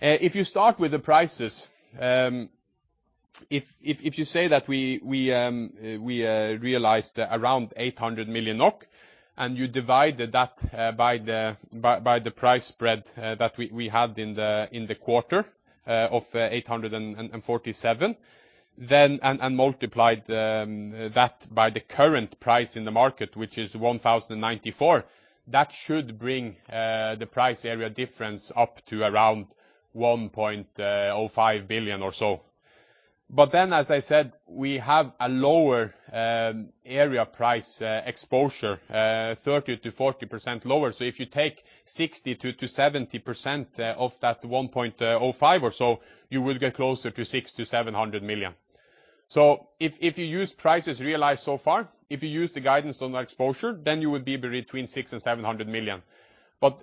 If you start with the prices, if you say that we realized around 800 million NOK, and you divided that by the price spread that we had in the quarter of $847 and multiplied that by the current price in the market, which is $1,094, that should bring the price area difference up to around 1.05 billion or so. As I said, we have a lower area price exposure 30%-40% lower. If you take 60%-70% of that 1.05 or so, you will get closer to 600 million-700 million. If you use prices realized so far, if you use the guidance on exposure, then you would be between 600 million and 700 million.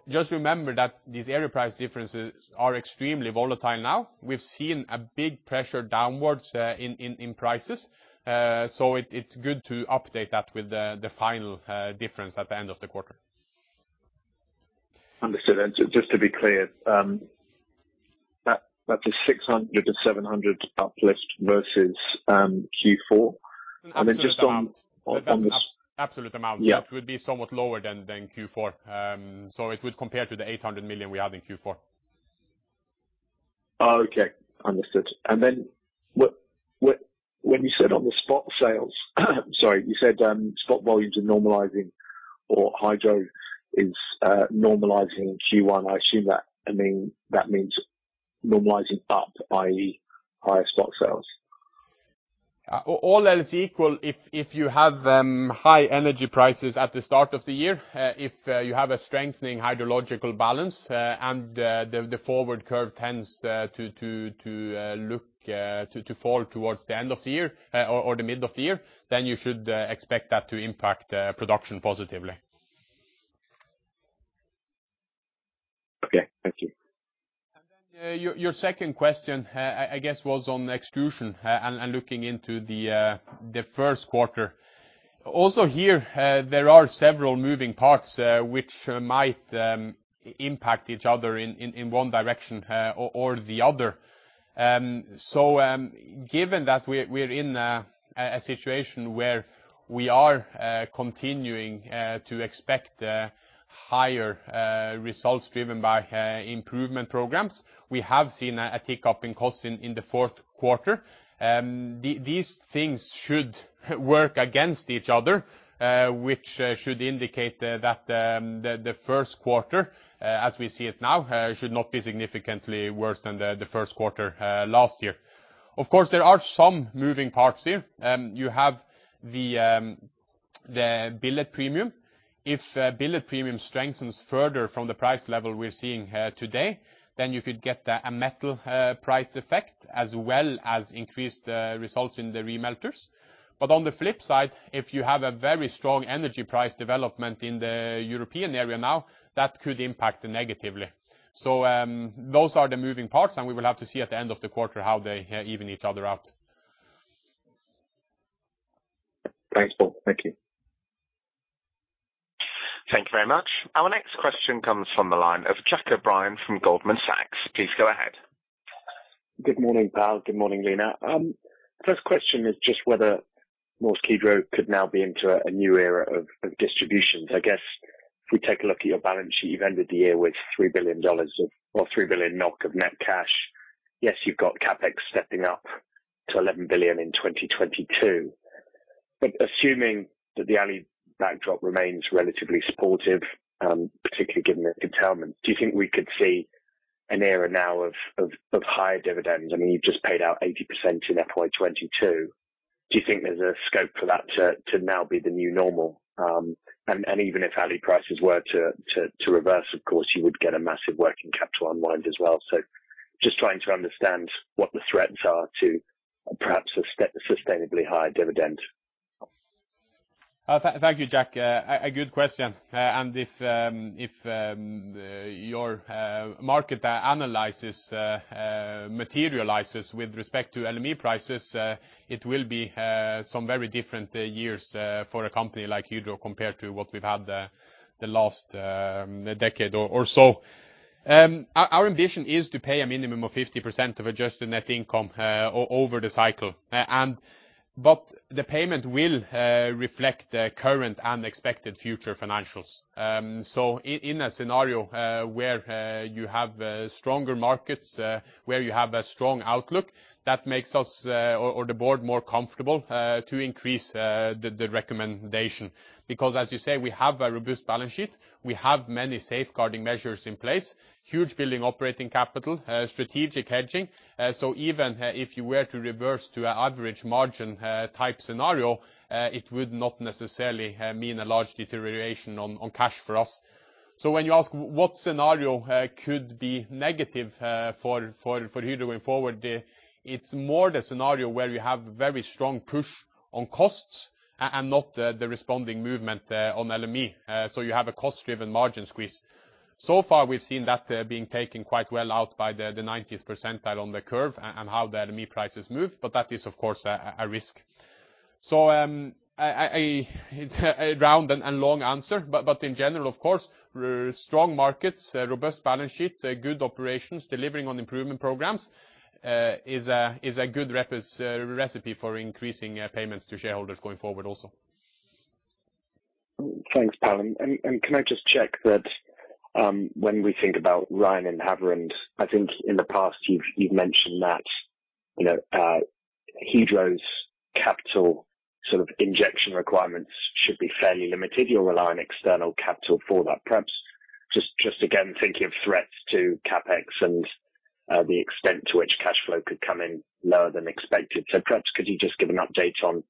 Just remember that these area price differences are extremely volatile now. We've seen a big pressure downwards in prices. It's good to update that with the final difference at the end of the quarter. Understood. Just to be clear, that is NOK 600 million-NOK 700 million uplift versus Q4? Absolute amount. Just on this. That's absolute amount. Yeah. That would be somewhat lower than Q4. It would compare to the 800 million we had in Q4. Oh, okay. Understood. When you said on the spot sales, sorry, you said spot volumes are normalizing or Hydro is normalizing in Q1. I assume that, I mean, that means normalizing up, i.e., higher spot sales. All else equal, if you have high energy prices at the start of the year, if you have a strengthening hydrological balance, and the forward curve tends to look to fall towards the end of the year or the middle of the year, then you should expect that to impact production positively. Okay, thank you. Your second question, I guess, was on extrusion and looking into the first quarter. Also here, there are several moving parts, which might impact each other in one direction or the other. Given that we're in a situation where we are continuing to expect higher results driven by improvement programs, we have seen a tick up in costs in the fourth quarter. These things should work against each other, which should indicate that the first quarter, as we see it now, should not be significantly worse than the first quarter last year. Of course, there are some moving parts here. You have the billet premium. If billet premium strengthens further from the price level we're seeing here today, then you could get a metal price effect as well as increased results in the remelters. But on the flip side, if you have a very strong energy price development in the European area now, that could impact negatively. Those are the moving parts, and we will have to see at the end of the quarter how they even each other out. Thanks, Pål. Thank you. Thank you very much. Our next question comes from the line of Jack O'Brien from Goldman Sachs. Please go ahead. Good morning, Pål. Good morning, Line. First question is just whether Norsk Hydro could now be into a new era of distributions. I guess if we take a look at your balance sheet, you've ended the year with $3 billion or 3 billion NOK of net cash. Yes, you've got CapEx stepping up to 11 billion in 2022. But assuming that the aluminum backdrop remains relatively supportive, particularly given the curtailment, do you think we could see an era now of higher dividends? I mean, you've just paid out 80% in FY 2022. Do you think there's a scope for that to now be the new normal? And even if aluminum prices were to reverse, of course, you would get a massive working capital unwind as well. Just trying to understand what the threats are to perhaps a sustainably higher dividend. Thank you, Jack. A good question. If your market analysis materializes with respect to LME prices, it will be some very different years for a company like Hydro compared to what we've had the last decade or so. Our ambition is to pay a minimum of 50% of adjusted net income over the cycle. The payment will reflect the current and expected future financials. In a scenario where you have stronger markets, where you have a strong outlook, that makes us or the board more comfortable to increase the recommendation. Because as you say, we have a robust balance sheet. We have many safeguarding measures in place, huge buffer operating capital, strategic hedging. Even if you were to reverse to an average margin type scenario, it would not necessarily mean a large deterioration on cash for us. When you ask what scenario could be negative for Hydro going forward, it's more the scenario where you have very strong push on costs and not the responding movement on LME. You have a cost-driven margin squeeze. So far, we've seen that being taken quite well out by the 90th percentile on the curve and how the LME prices move, but that is, of course, a risk. It's a round and long answer, but in general, of course, strong markets, robust balance sheet, good operations, delivering on improvement programs, is a good recipe for increasing payments to shareholders going forward also. Thanks, Pål. Can I just check that, when we think about Rein and Havrand, I think in the past you've mentioned that, you know, Hydro's capital sort of injection requirements should be fairly limited. You rely on external capital for that. Perhaps just again, thinking of threats to CapEx and the extent to which cash flow could come in lower than expected. Perhaps could you just give an update on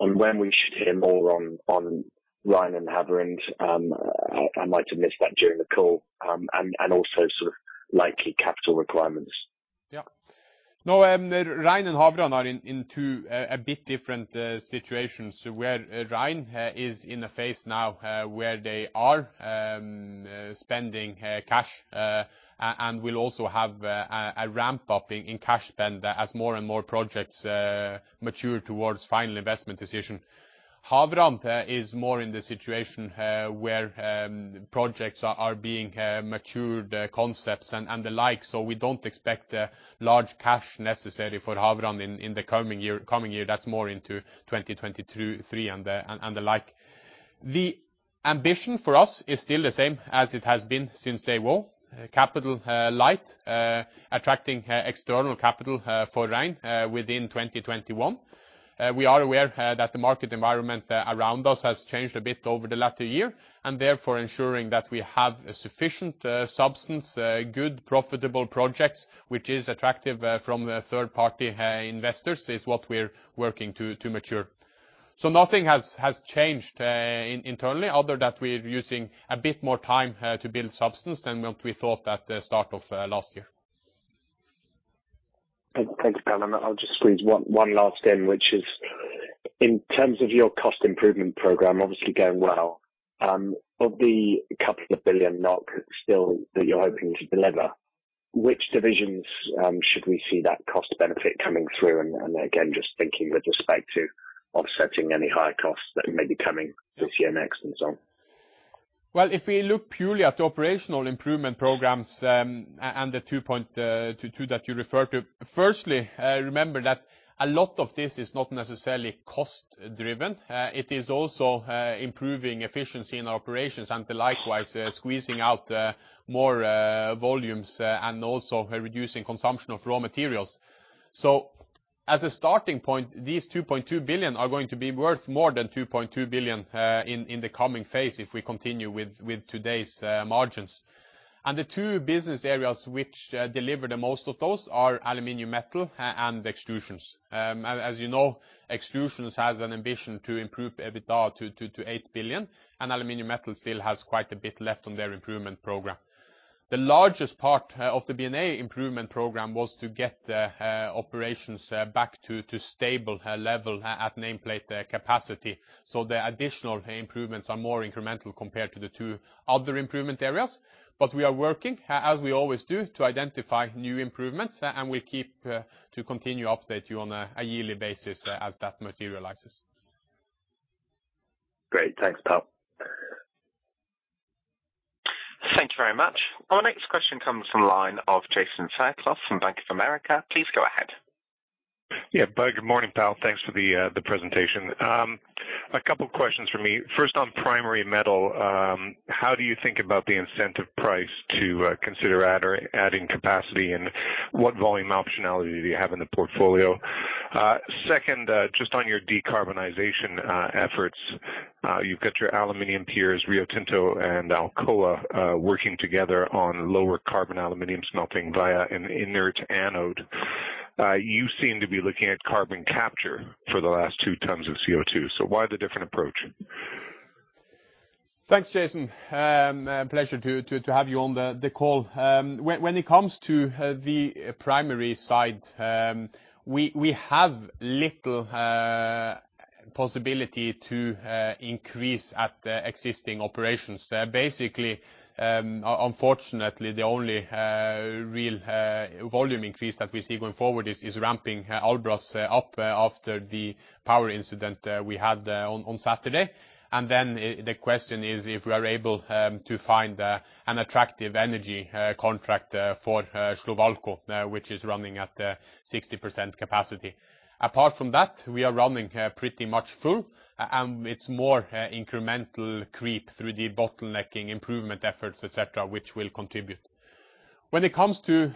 when we should hear more on Rein and Havrand? I might have missed that during the call. Also sort of likely capital requirements. Yeah. No, Rein and Havrand are in two a bit different situations, where Rein is in a phase now where they are spending cash and will also have a ramp-up in cash spend as more and more projects mature towards final investment decision. Havrand is more in the situation where projects are being matured, concepts and the like. We don't expect large cash necessary for Havrand in the coming year. That's more into 2022, 2023 and the like. The ambition for us is still the same as it has been since day one. Capital light, attracting external capital for Rein within 2021. We are aware that the market environment around us has changed a bit over the last year, and therefore ensuring that we have sufficient substance, good profitable projects, which is attractive to third-party investors, is what we're working to mature. Nothing has changed internally other than we're using a bit more time to build substance than what we thought at the start of last year. Thanks, Pål. I'll just squeeze one last in, which is in terms of your cost improvement program, obviously going well, of the couple of billion NOK still that you're hoping to deliver, which divisions should we see that cost benefit coming through? Again, just thinking with respect to offsetting any higher costs that may be coming this year, next, and so on. Well, if we look purely at the operational improvement programs and the 2.2 billion that you refer to. Firstly, remember that a lot of this is not necessarily cost-driven. It is also improving efficiency in our operations, and likewise, squeezing out more volumes, and also reducing consumption of raw materials. As a starting point, these 2.2 billion are going to be worth more than 2.2 billion in the coming phase if we continue with today's margins. The two business areas which deliver the most of those are Aluminum Metal and Extrusions. As you know, Extrusions has an ambition to improve EBITDA to 8 billion, and Aluminum Metal still has quite a bit left on their improvement program. The largest part of the B&A improvement program was to get the operations back to stable level at nameplate capacity. The additional improvements are more incremental compared to the two other improvement areas. We are working, as we always do, to identify new improvements, and we continue to update you on a yearly basis as that materializes. Great. Thanks, Pål. Thank you very much. Our next question comes from the line of Jason Fairclough from Bank of America. Please go ahead. Yeah. Good morning, Pål. Thanks for the presentation. A couple questions for me. First, on primary metal, how do you think about the incentive price to consider adding capacity, and what volume optionality do you have in the portfolio? Second, just on your decarbonization efforts. You've got your aluminum peers, Rio Tinto and Alcoa, working together on lower carbon aluminum smelting via an inert anode. You seem to be looking at carbon capture for the last two tons of CO2. Why the different approach? Thanks, Jason. A pleasure to have you on the call. When it comes to the primary side, we have little possibility to increase at the existing operations. Basically, unfortunately, the only real volume increase that we see going forward is ramping Albras up after the power incident we had on Saturday. Then the question is if we are able to find an attractive energy contract for Slovalco, which is running at 60% capacity. Apart from that, we are running pretty much full, and it's more incremental creep through the bottlenecking improvement efforts, et cetera, which will contribute. When it comes to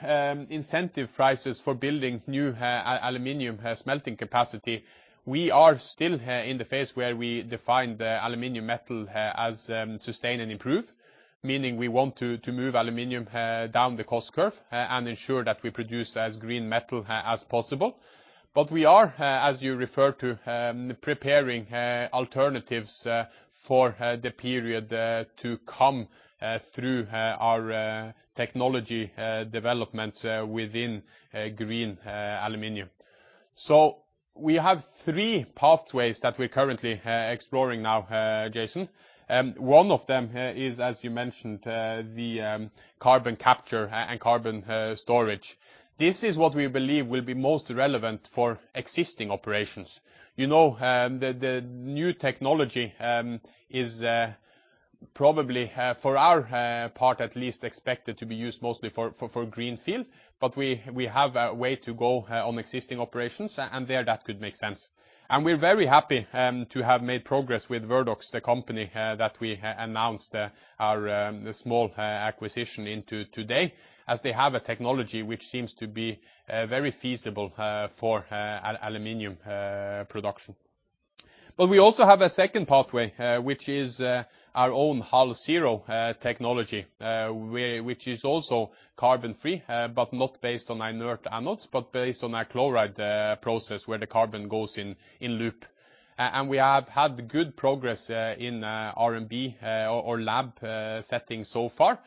incentive prices for building new aluminum smelting capacity, we are still in the phase where we define the Aluminum Metal as sustain and improve, meaning we want to move aluminum down the cost curve and ensure that we produce as green metal as possible. We are, as you refer to, preparing alternatives for the period to come through our technology developments within green aluminum. We have three pathways that we're currently exploring now, Jason. One of them is, as you mentioned, the carbon capture and carbon storage. This is what we believe will be most relevant for existing operations. You know, the new technology is probably, for our part at least, expected to be used mostly for greenfield. We have a way to go on existing operations, and there that could make sense. We're very happy to have made progress with Verdox, the company, that we announced our small acquisition into today. As they have a technology which seems to be very feasible for aluminum production. We also have a second pathway, which is our own HalZero technology, which is also carbon-free, but not based on inert anodes, but based on a chloride process where the carbon goes in loop. We have had good progress in R&D or lab setting so far.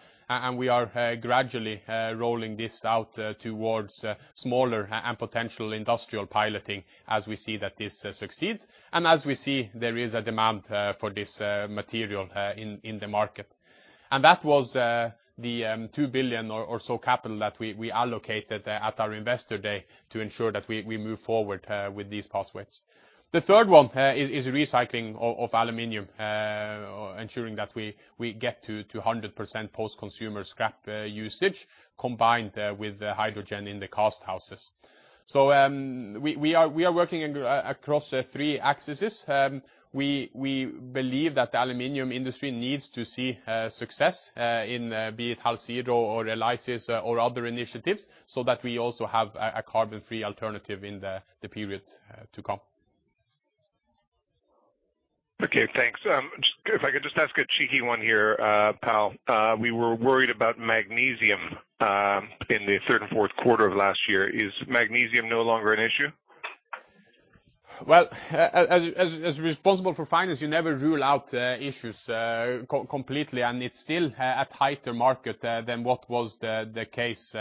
We are gradually rolling this out towards smaller and potential industrial piloting as we see that this succeeds. As we see, there is a demand for this material in the market. That was the 2 billion or so capital that we allocated at our investor day to ensure that we move forward with these pathways. The third one is recycling of aluminum ensuring that we get to 200% post-consumer scrap usage combined with hydrogen in the cast houses. We are working across the three axes. We believe that the aluminum industry needs to see success in, be it HalZero or ELYSIS or other initiatives, so that we also have a carbon-free alternative in the period to come. Okay, thanks. Just if I could just ask a cheeky one here, Pål. We were worried about magnesium in the third and fourth quarter of last year. Is magnesium no longer an issue? Well, as responsible for finance, you never rule out issues completely, and it's still a tighter market than what was the case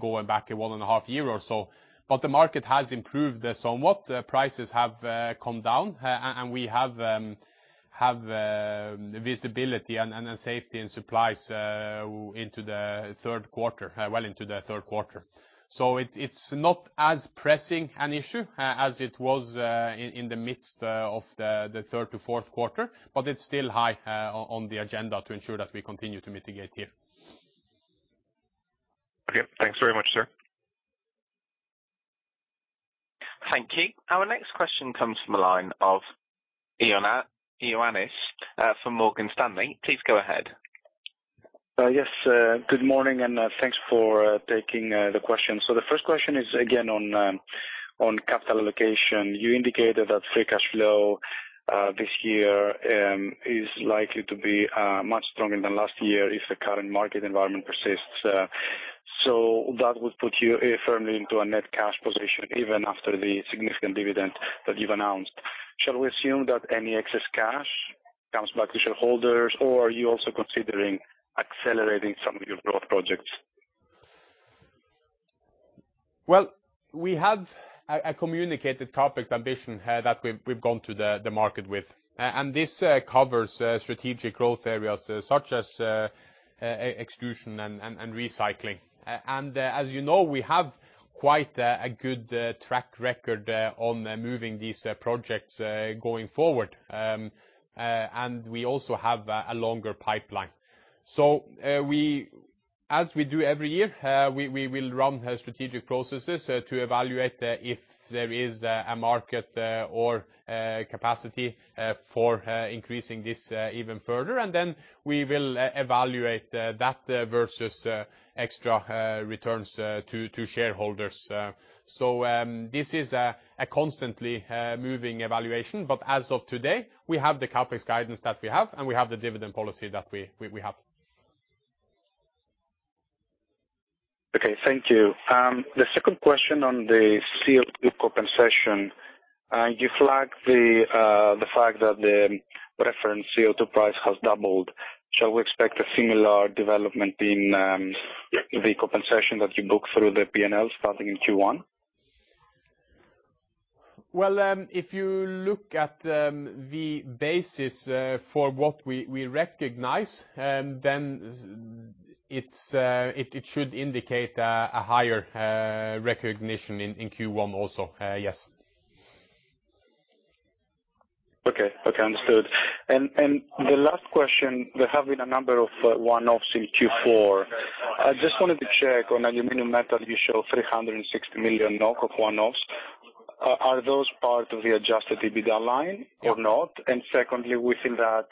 going back one and a half year or so. The market has improved somewhat. Prices have come down and we have visibility and safety and supplies into the third quarter, well into the third quarter. It's not as pressing an issue as it was in the midst of the third to fourth quarter, but it's still high on the agenda to ensure that we continue to mitigate here. Okay. Thanks very much, sir. Thank you. Our next question comes from the line of Ioannis Masvoulas from Morgan Stanley. Please go ahead. Yes, good morning, and thanks for taking the question. The first question is again on capital allocation. You indicated that free cash flow this year is likely to be much stronger than last year if the current market environment persists. That would put you firmly into a net cash position even after the significant dividend that you've announced. Shall we assume that any excess cash comes back to shareholders, or are you also considering accelerating some of your growth projects? Well, we have a communicated CapEx ambition that we've gone to the market with. This covers strategic growth areas such as extrusion and recycling. As you know, we have quite a good track record on moving these projects going forward. We also have a longer pipeline. As we do every year, we will run strategic processes to evaluate if there is a market or capacity for increasing this even further, and then we will evaluate that versus extra returns to shareholders. This is a constantly moving evaluation, but as of today, we have the CapEx guidance that we have, and we have the dividend policy that we have. Okay, thank you. The second question on the CO₂ compensation. You flagged the fact that the reference CO₂ price has doubled. Shall we expect a similar development in the compensation that you book through the P&L starting in Q1? Well, if you look at the basis for what we recognize, then it should indicate a higher recognition in Q1 also, yes. Okay, understood. The last question, there have been a number of one-offs in Q4. I just wanted to check on Aluminum Metal, you show 360 million NOK of one-offs. Are those part of the adjusted EBITDA line or not? Secondly, within that,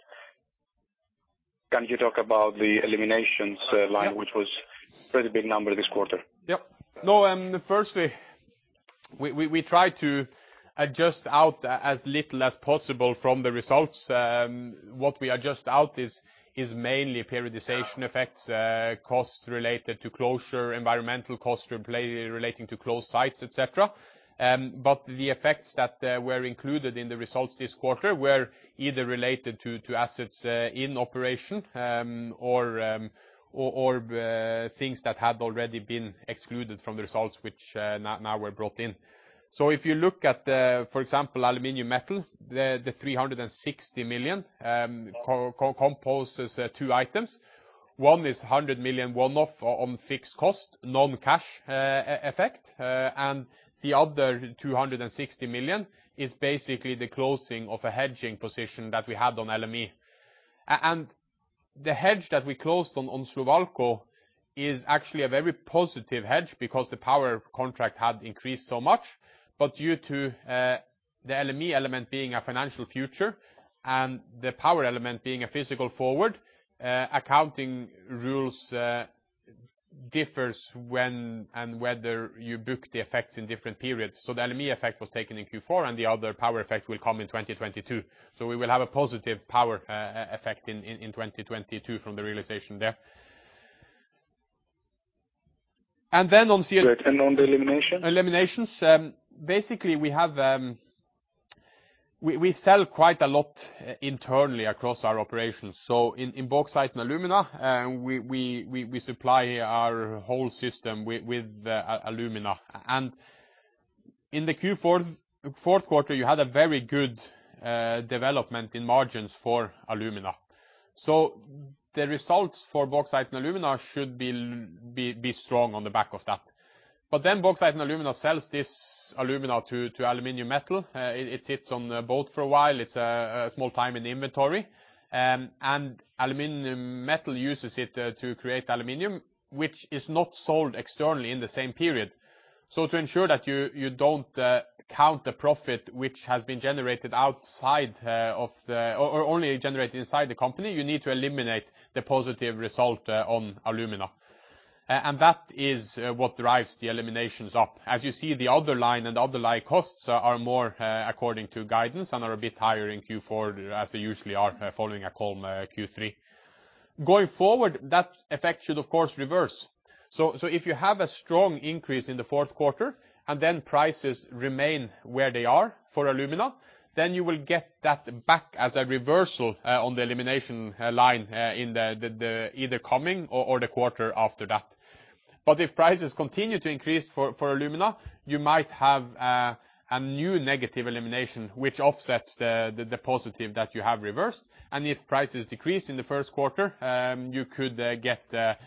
can you talk about the eliminations line, which was pretty big number this quarter? No, firstly, we try to adjust out as little as possible from the results. What we adjust out is mainly periodization effects, costs related to closure, environmental costs relating to closed sites, et cetera. The effects that were included in the results this quarter were either related to assets in operation or things that had already been excluded from the results which now were brought in. If you look at, for example, Aluminum Metal, the 360 million comprises two items. One is 100 million one-off on fixed cost, non-cash effect. The other 260 million is basically the closing of a hedging position that we had on LME. The hedge that we closed on Slovalco is actually a very positive hedge because the power contract had increased so much. Due to the LME element being a financial future and the power element being a physical forward, accounting rules differ when and whether you book the effects in different periods. The LME effect was taken in Q4, and the other power effect will come in 2022. We will have a positive power effect in 2022 from the realization there. On the elimination? Eliminations. Basically, we sell quite a lot internally across our operations. In Bauxite & Alumina, we supply our whole system with alumina. In the fourth quarter, you had a very good development in margins for alumina. The results for Bauxite & Alumina should be strong on the back of that. Bauxite & Alumina sells this alumina to Aluminium Metal. It sits on the boat for a while. It's a small time in the inventory. Aluminium Metal uses it to create aluminium, which is not sold externally in the same period. To ensure that you don't count the profit which has been generated outside of the Only generated inside the company, you need to eliminate the positive result on alumina. And that is what drives the eliminations up. As you see, the other line and other line costs are more according to guidance and are a bit higher in Q4, as they usually are following a calm Q3. Going forward, that effect should, of course, reverse. If you have a strong increase in the fourth quarter and then prices remain where they are for alumina, then you will get that back as a reversal on the elimination line in the either coming or the quarter after that. If prices continue to increase for alumina, you might have a new negative elimination which offsets the positive that you have reversed. If prices decrease in the first quarter, you could get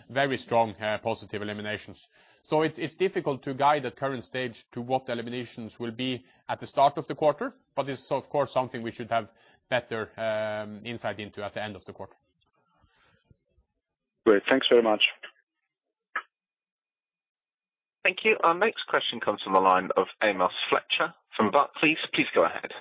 very strong positive eliminations. It's difficult to guide at current stage to what the eliminations will be at the start of the quarter, but it's of course something we should have better insight into at the end of the quarter. Great. Thanks very much. Thank you. Our next question comes from the line of Amos Fletcher from Barclays. Please go ahead.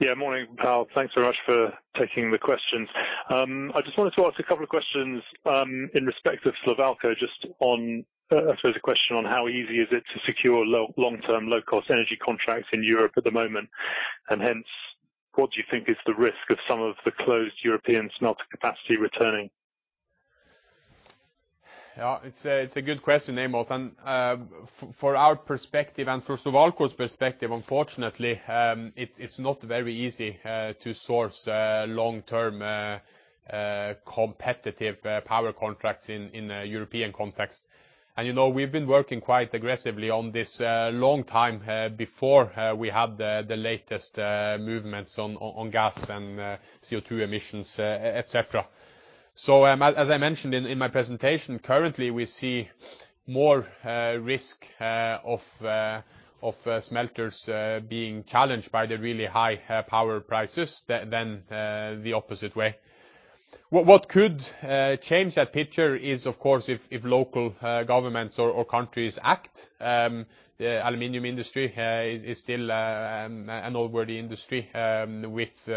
Yeah, morning, Pål. Thanks very much for taking the questions. I just wanted to ask a couple of questions, in respect of Slovalco, just on, I suppose the question on how easy is it to secure long-term, low-cost energy contracts in Europe at the moment? What do you think is the risk of some of the closed European smelter capacity returning? Yeah, it's a good question, Amos. For our perspective and for Slovalco's perspective, unfortunately, it's not very easy to source long-term competitive power contracts in a European context. You know, we've been working quite aggressively on this long time before we had the latest movements on gas and CO2 emissions, et cetera. As I mentioned in my presentation, currently, we see more risk of smelters being challenged by the really high power prices than the opposite way. What could change that picture is, of course, if local governments or countries act. The aluminum industry is still an old world industry with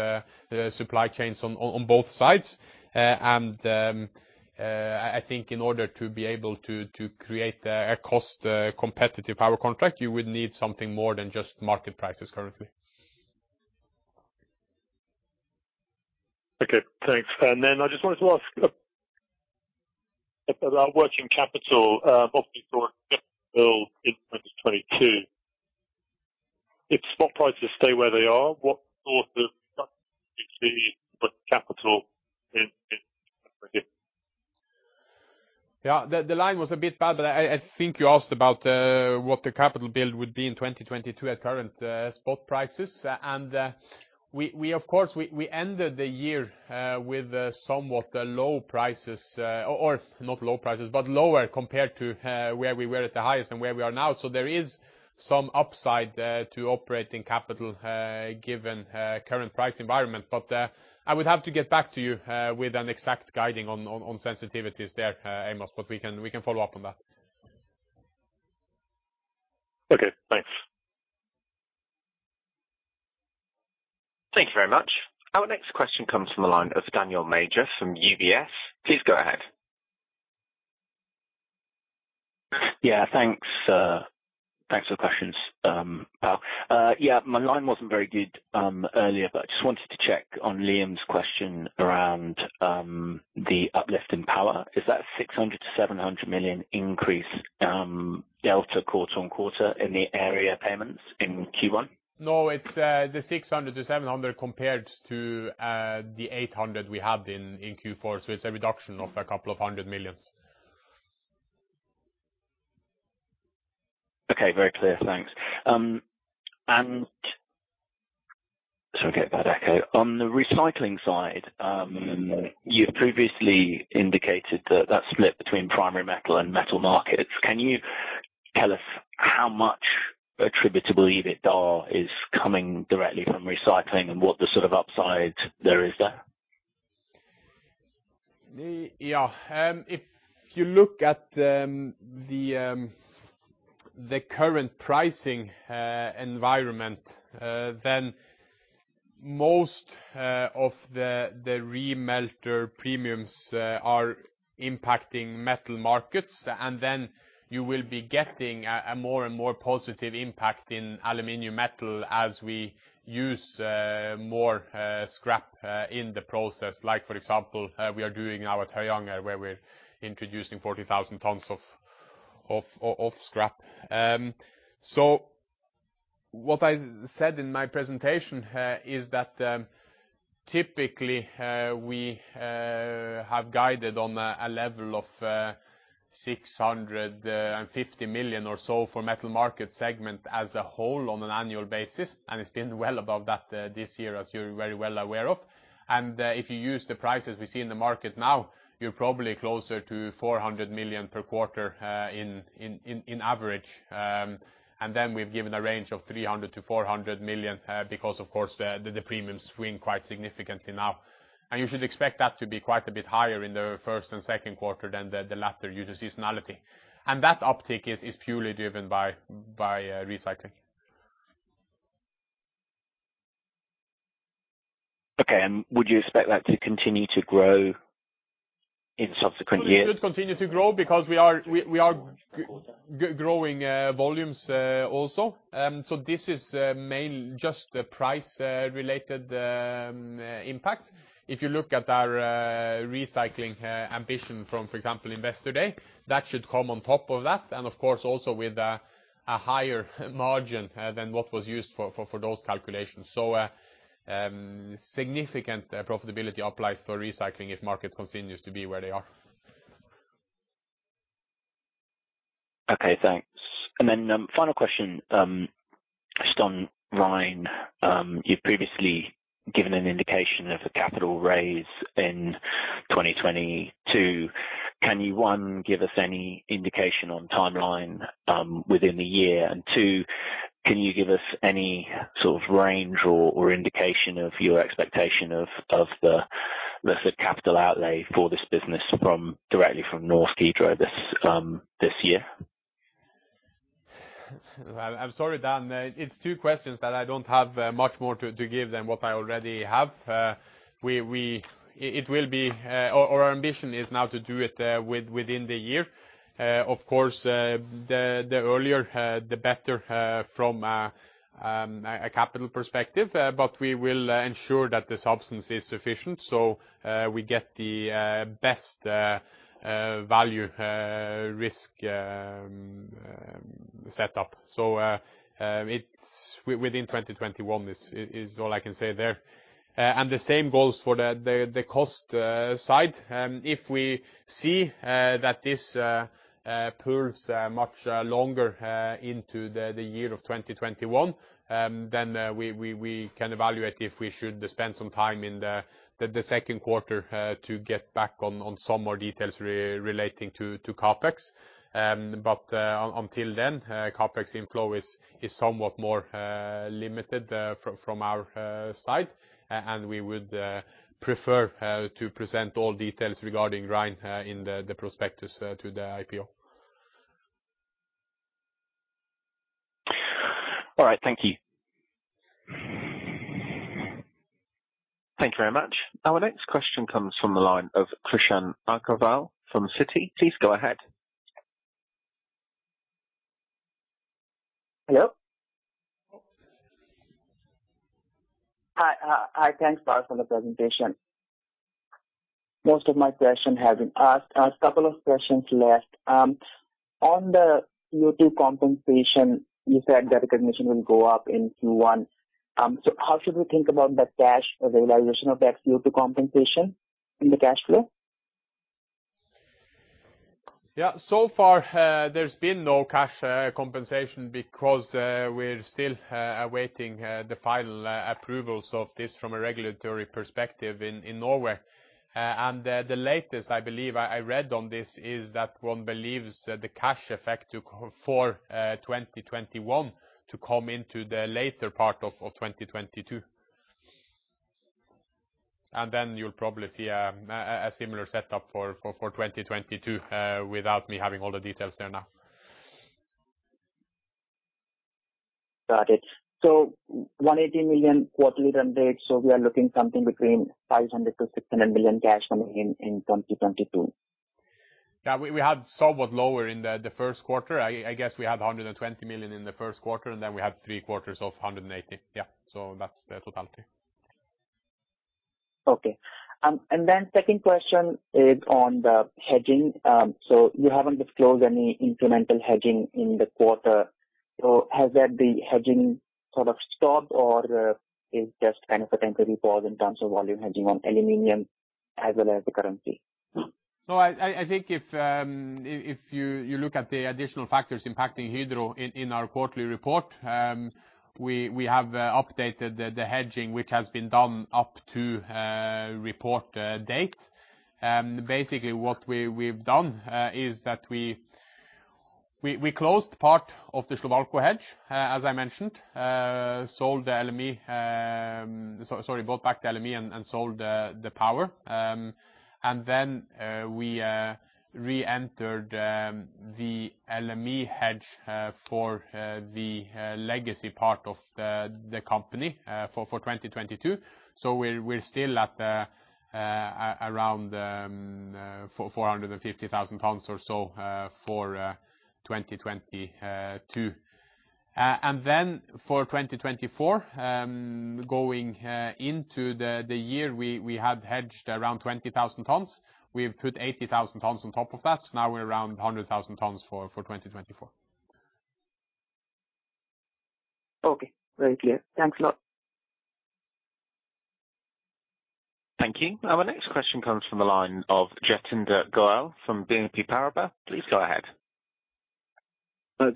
supply chains on both sides. I think in order to be able to create a cost competitive power contract, you would need something more than just market prices currently. Okay, thanks. I just wanted to ask about working capital, obviously for 2022. If spot prices stay where they are, what sort of. Yeah, the line was a bit bad, but I think you asked about what the capital build would be in 2022 at current spot prices. We of course ended the year with somewhat low prices, or not low prices, but lower compared to where we were at the highest and where we are now. There is some upside to operating capital given current price environment. I would have to get back to you with an exact guidance on sensitivities there, Amos, but we can follow up on that. Okay, thanks. Thank you very much. Our next question comes from the line of Daniel Major from UBS. Please go ahead. Yeah, thanks for the questions, Pål. Yeah, my line wasn't very good earlier, but I just wanted to check on Liam's question around the uplift in power. Is that 600 million-700 million increase, delta quarter-on-quarter in the area payments in Q1? No, it's 600 million-700 million compared to 800 million we had in Q4. It's a reduction of a couple of 100 million. Okay, very clear. Thanks. Sorry, I get a bad echo. On the recycling side, you previously indicated that split between primary metal and metal markets. Can you tell us how much attributable EBITDA is coming directly from recycling and what the sort of upside there is there? Yeah. If you look at the current pricing environment, then most of the remelter premiums are impacting Metal Markets, and then you will be getting a more and more positive impact in Aluminum Metal as we use more scrap in the process. Like for example, we are doing now at Herøya where we're introducing 40,000 tons of scrap. So what I said in my presentation is that typically we have guided on a level of 650 million or so for Metal Markets segment as a whole on an annual basis, and it's been well above that this year, as you're very well aware of. If you use the prices we see in the market now, you're probably closer to 400 million per quarter on average. We've given a range of 300 million-400 million because of course the premiums swing quite significantly now. You should expect that to be quite a bit higher in the first and second quarter than the latter due to seasonality. That uptick is purely driven by recycling. Okay. Would you expect that to continue to grow in subsequent years? It should continue to grow because we are growing volumes also. This is mainly just price-related impacts. If you look at our recycling ambition from, for example, Investor Day, that should come on top of that. Of course, also with a higher margin than what was used for those calculations. Significant profitability applies for recycling if markets continues to be where they are. Okay, thanks. Final question, just on Rein. You've previously given an indication of a capital raise in 2022. Can you, one, give us any indication on timeline within the year? And two, can you give us any sort of range or indication of your expectation of the sort of capital outlay for this business from directly from Norsk Hydro this year? I'm sorry, Dan. It's two questions that I don't have much more to give than what I already have. Our ambition is now to do it within the year. Of course, the earlier the better from a capital perspective, but we will ensure that the substance is sufficient. We get the best value-risk setup. It's within 2021 is all I can say there. The same goes for the cost side. If we see that this pulls much longer into the year of 2021, then we can evaluate if we should spend some time in the second quarter to get back on some more details relating to CapEx. Until then, CapEx inflow is somewhat more limited from our side. We would prefer to present all details regarding Hydro Rein in the prospectus to the IPO. All right. Thank you. Thank you very much. Our next question comes from the line of Krishan Agarwal from Citi. Please go ahead. Hello. Hi, hi. Thanks, Pål, for the presentation. Most of my question has been asked. A couple of questions left. On the CO2 compensation, you said that recognition will go up in Q1. How should we think about the cash availability of that CO2 compensation in the cash flow? Yeah. So far, there's been no cash compensation because we're still awaiting the final approvals of this from a regulatory perspective in Norway. The latest, I believe I read on this is that one believes the cash effect for 2021 to come into the later part of 2022. Then you'll probably see a similar setup for 2022, without me having all the details there now. Got it. 180 million quarterly run rate, so we are looking at something between 500 million-600 million cash coming in in 2022. Yeah. We had somewhat lower in the first quarter. I guess we had 120 million in the first quarter, and then we had three quarters of 180 million. Yeah. So that's the totality. Okay. Second question is on the hedging. You haven't disclosed any incremental hedging in the quarter. Has that the hedging sort of stopped, or is just kind of a temporary pause in terms of volume hedging on aluminum as well as the currency. No, I think if you look at the additional factors impacting Hydro in our quarterly report, we have updated the hedging, which has been done up to report date. Basically what we've done is that we closed part of the Slovalco hedge, as I mentioned. Sorry, bought back the LME and sold the power. We reentered the LME hedge for the legacy part of the company for 2022. We're still at around 450,000 tons or so for 2022. For 2024, going into the year, we had hedged around 20,000 tons. We've put 80,000 tons on top of that. Now we're around 100,000 tons for 2024. Okay. Very clear. Thanks a lot. Thank you. Our next question comes from the line of Jatinder Goel from BNP Paribas. Please go ahead.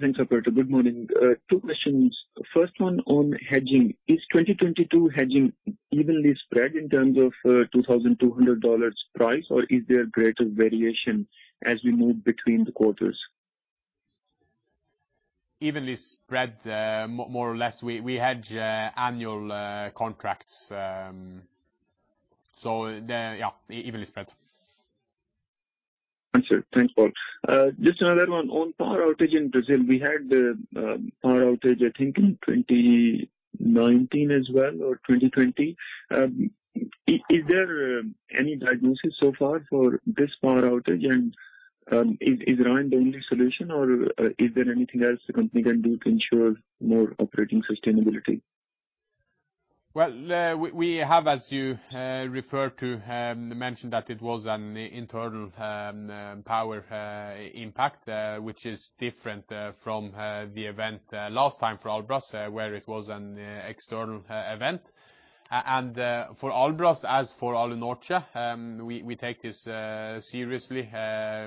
Thanks operator. Good morning. Two questions. First one on hedging. Is 2022 hedging evenly spread in terms of $2,200 price or is there greater variation as we move between the quarters? Evenly spread, more or less. We hedge annual contracts. They're, yeah, evenly spread. Understood. Thanks, Pål. Just another one on power outage in Brazil. We had the power outage, I think in 2019 as well, or 2020. Is there any diagnosis so far for this power outage? Is Ryan the only solution or is there anything else the company can do to ensure more operating sustainability? Well, we have as you referred to, mentioned that it was an internal power impact, which is different from the event last time for Albras, where it was an external event. For Albras, as for Alunorte, we take this seriously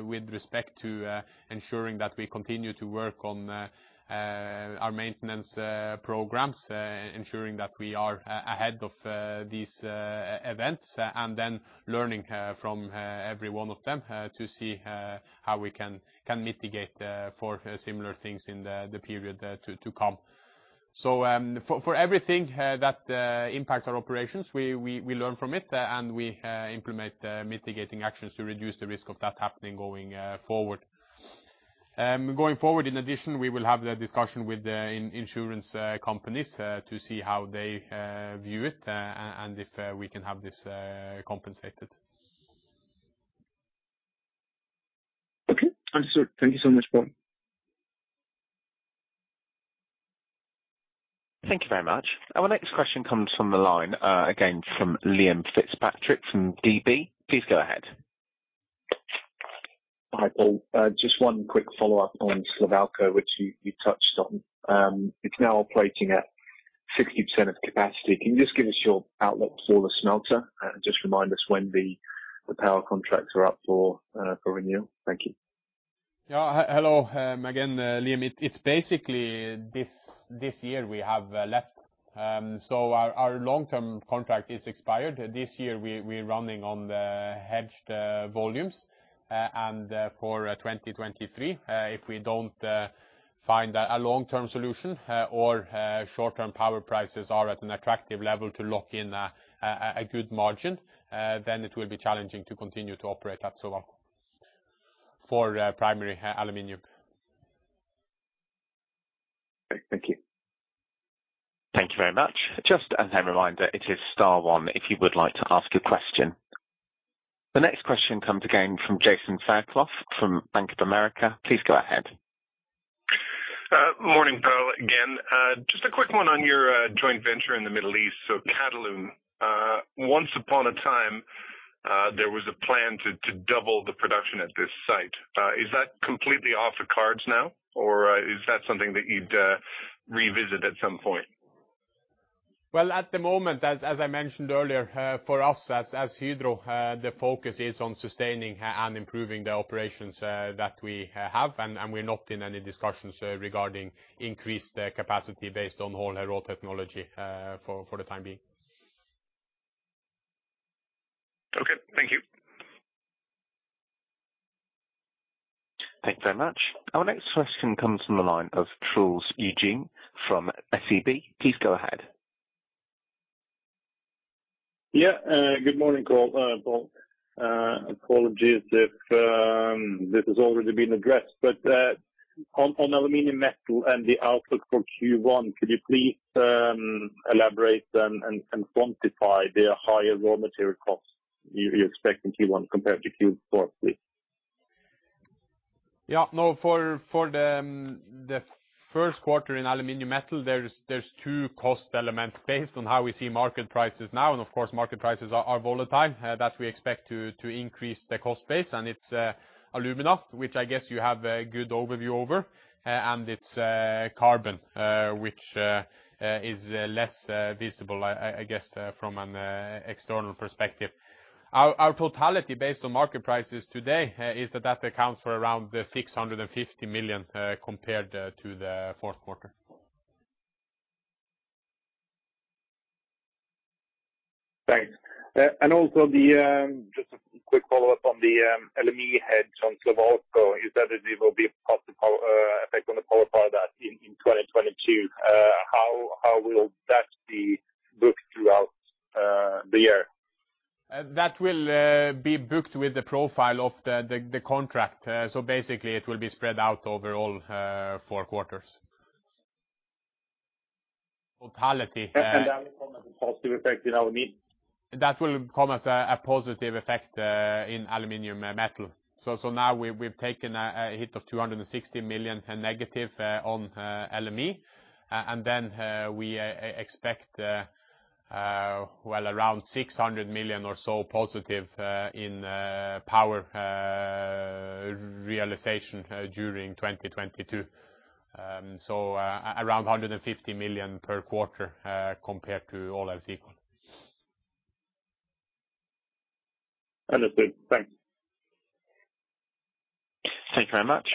with respect to ensuring that we continue to work on our maintenance programs, ensuring that we are ahead of these events, and then learning from every one of them to see how we can mitigate for similar things in the period to come. For everything that impacts our operations, we learn from it and we implement the mitigating actions to reduce the risk of that happening going forward. Going forward, in addition, we will have the discussion with the insurance companies to see how they view it and if we can have this compensated. Okay. Understood. Thank you so much, Pål. Thank you very much. Our next question comes from the line, again, from Liam Fitzpatrick from DB. Please go ahead. Hi, Pål. Just one quick follow-up on Slovalco, which you touched on. It's now operating at 60% of capacity. Can you just give us your outlook for the smelter and just remind us when the power contracts are up for renewal? Thank you. Yeah. Hello, again, Liam. It's basically this year we have left. Our long-term contract is expired. This year we're running on the hedged volumes. For 2023, if we don't find a long-term solution or short-term power prices are at an attractive level to lock in a good margin, then it will be challenging to continue to operate at Slovalco for primary aluminium. Great. Thank you. Thank you very much. Just as a reminder, it is star one if you would like to ask a question. The next question comes again from Jason Fairclough from Bank of America. Please go ahead. Morning, Pål, again. Just a quick one on your joint venture in the Middle East, so Qatalum. Once upon a time, there was a plan to double the production at this site. Is that completely off the cards now or is that something that you'd revisit at some point? Well, at the moment, as I mentioned earlier, for us as Hydro, the focus is on sustaining and improving the operations that we have, and we're not in any discussions regarding increased capacity based on Hall–Héroult technology, for the time being. Okay, thank you. Thank you very much. Our next question comes from the line of Truls Engene from SEB. Please go ahead. Yeah. Good morning, Pål. Apologies if this has already been addressed, but on Aluminum Metal and the outlook for Q1, could you please elaborate and quantify the higher raw material costs you expect in Q1 compared to Q4, please? No, for the first quarter in Aluminium Metal, there are two cost elements based on how we see market prices now and, of course, market prices are volatile, that we expect to increase the cost base, and it's alumina, which I guess you have a good overview over, and it's carbon, which is less visible, I guess, from an external perspective. Our totality based on market prices today is that accounts for around 650 million compared to the fourth quarter. Thanks. Just a quick follow-up on the LME hedge on Slovalco. You said that it will be a possible effect on the power price that in 2022. How will that be booked throughout the year? That will be booked with the profile of the contract. Basically it will be spread out over all four quarters. That will then become a positive effect in aluminum? That will come as a positive effect in Aluminum Metal. Now we've taken a hit of 260 million negative on LME. We expect around 600 million or so positive in power realization during 2022. Around 150 million per quarter compared to all else equal. Understood. Thanks. Thank you very much.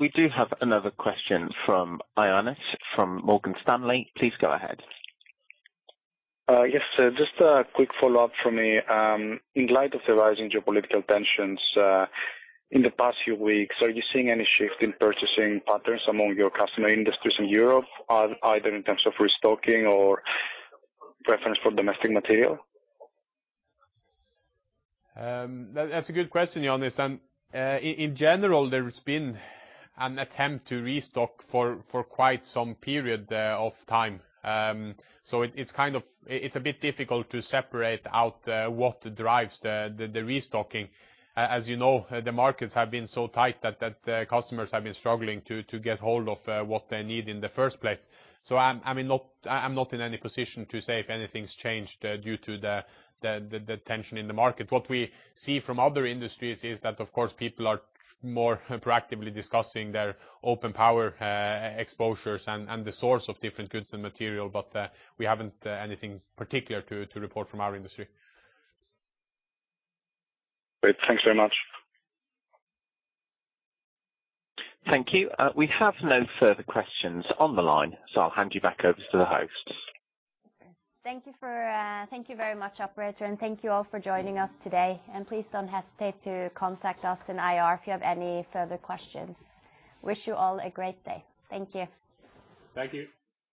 We do have another question from Ioannis from Morgan Stanley. Please go ahead. Yes, just a quick follow-up from me. In light of the rising geopolitical tensions in the past few weeks, are you seeing any shift in purchasing patterns among your customer industries in Europe, either in terms of restocking or preference for domestic material? That's a good question, Ioannis. In general, there's been an attempt to restock for quite some period of time. It's a bit difficult to separate out what drives the restocking. As you know, the markets have been so tight that customers have been struggling to get hold of what they need in the first place. I'm not in any position to say if anything's changed due to the tension in the market. What we see from other industries is that, of course, people are more proactively discussing their open power exposures and the source of different goods and material, but we haven't anything particular to report from our industry. Great. Thanks very much. Thank you. We have no further questions on the line, so I'll hand you back over to the host. Thank you very much, operator, and thank you all for joining us today. Please don't hesitate to contact us in IR if you have any further questions. Wish you all a great day. Thank you. Thank you.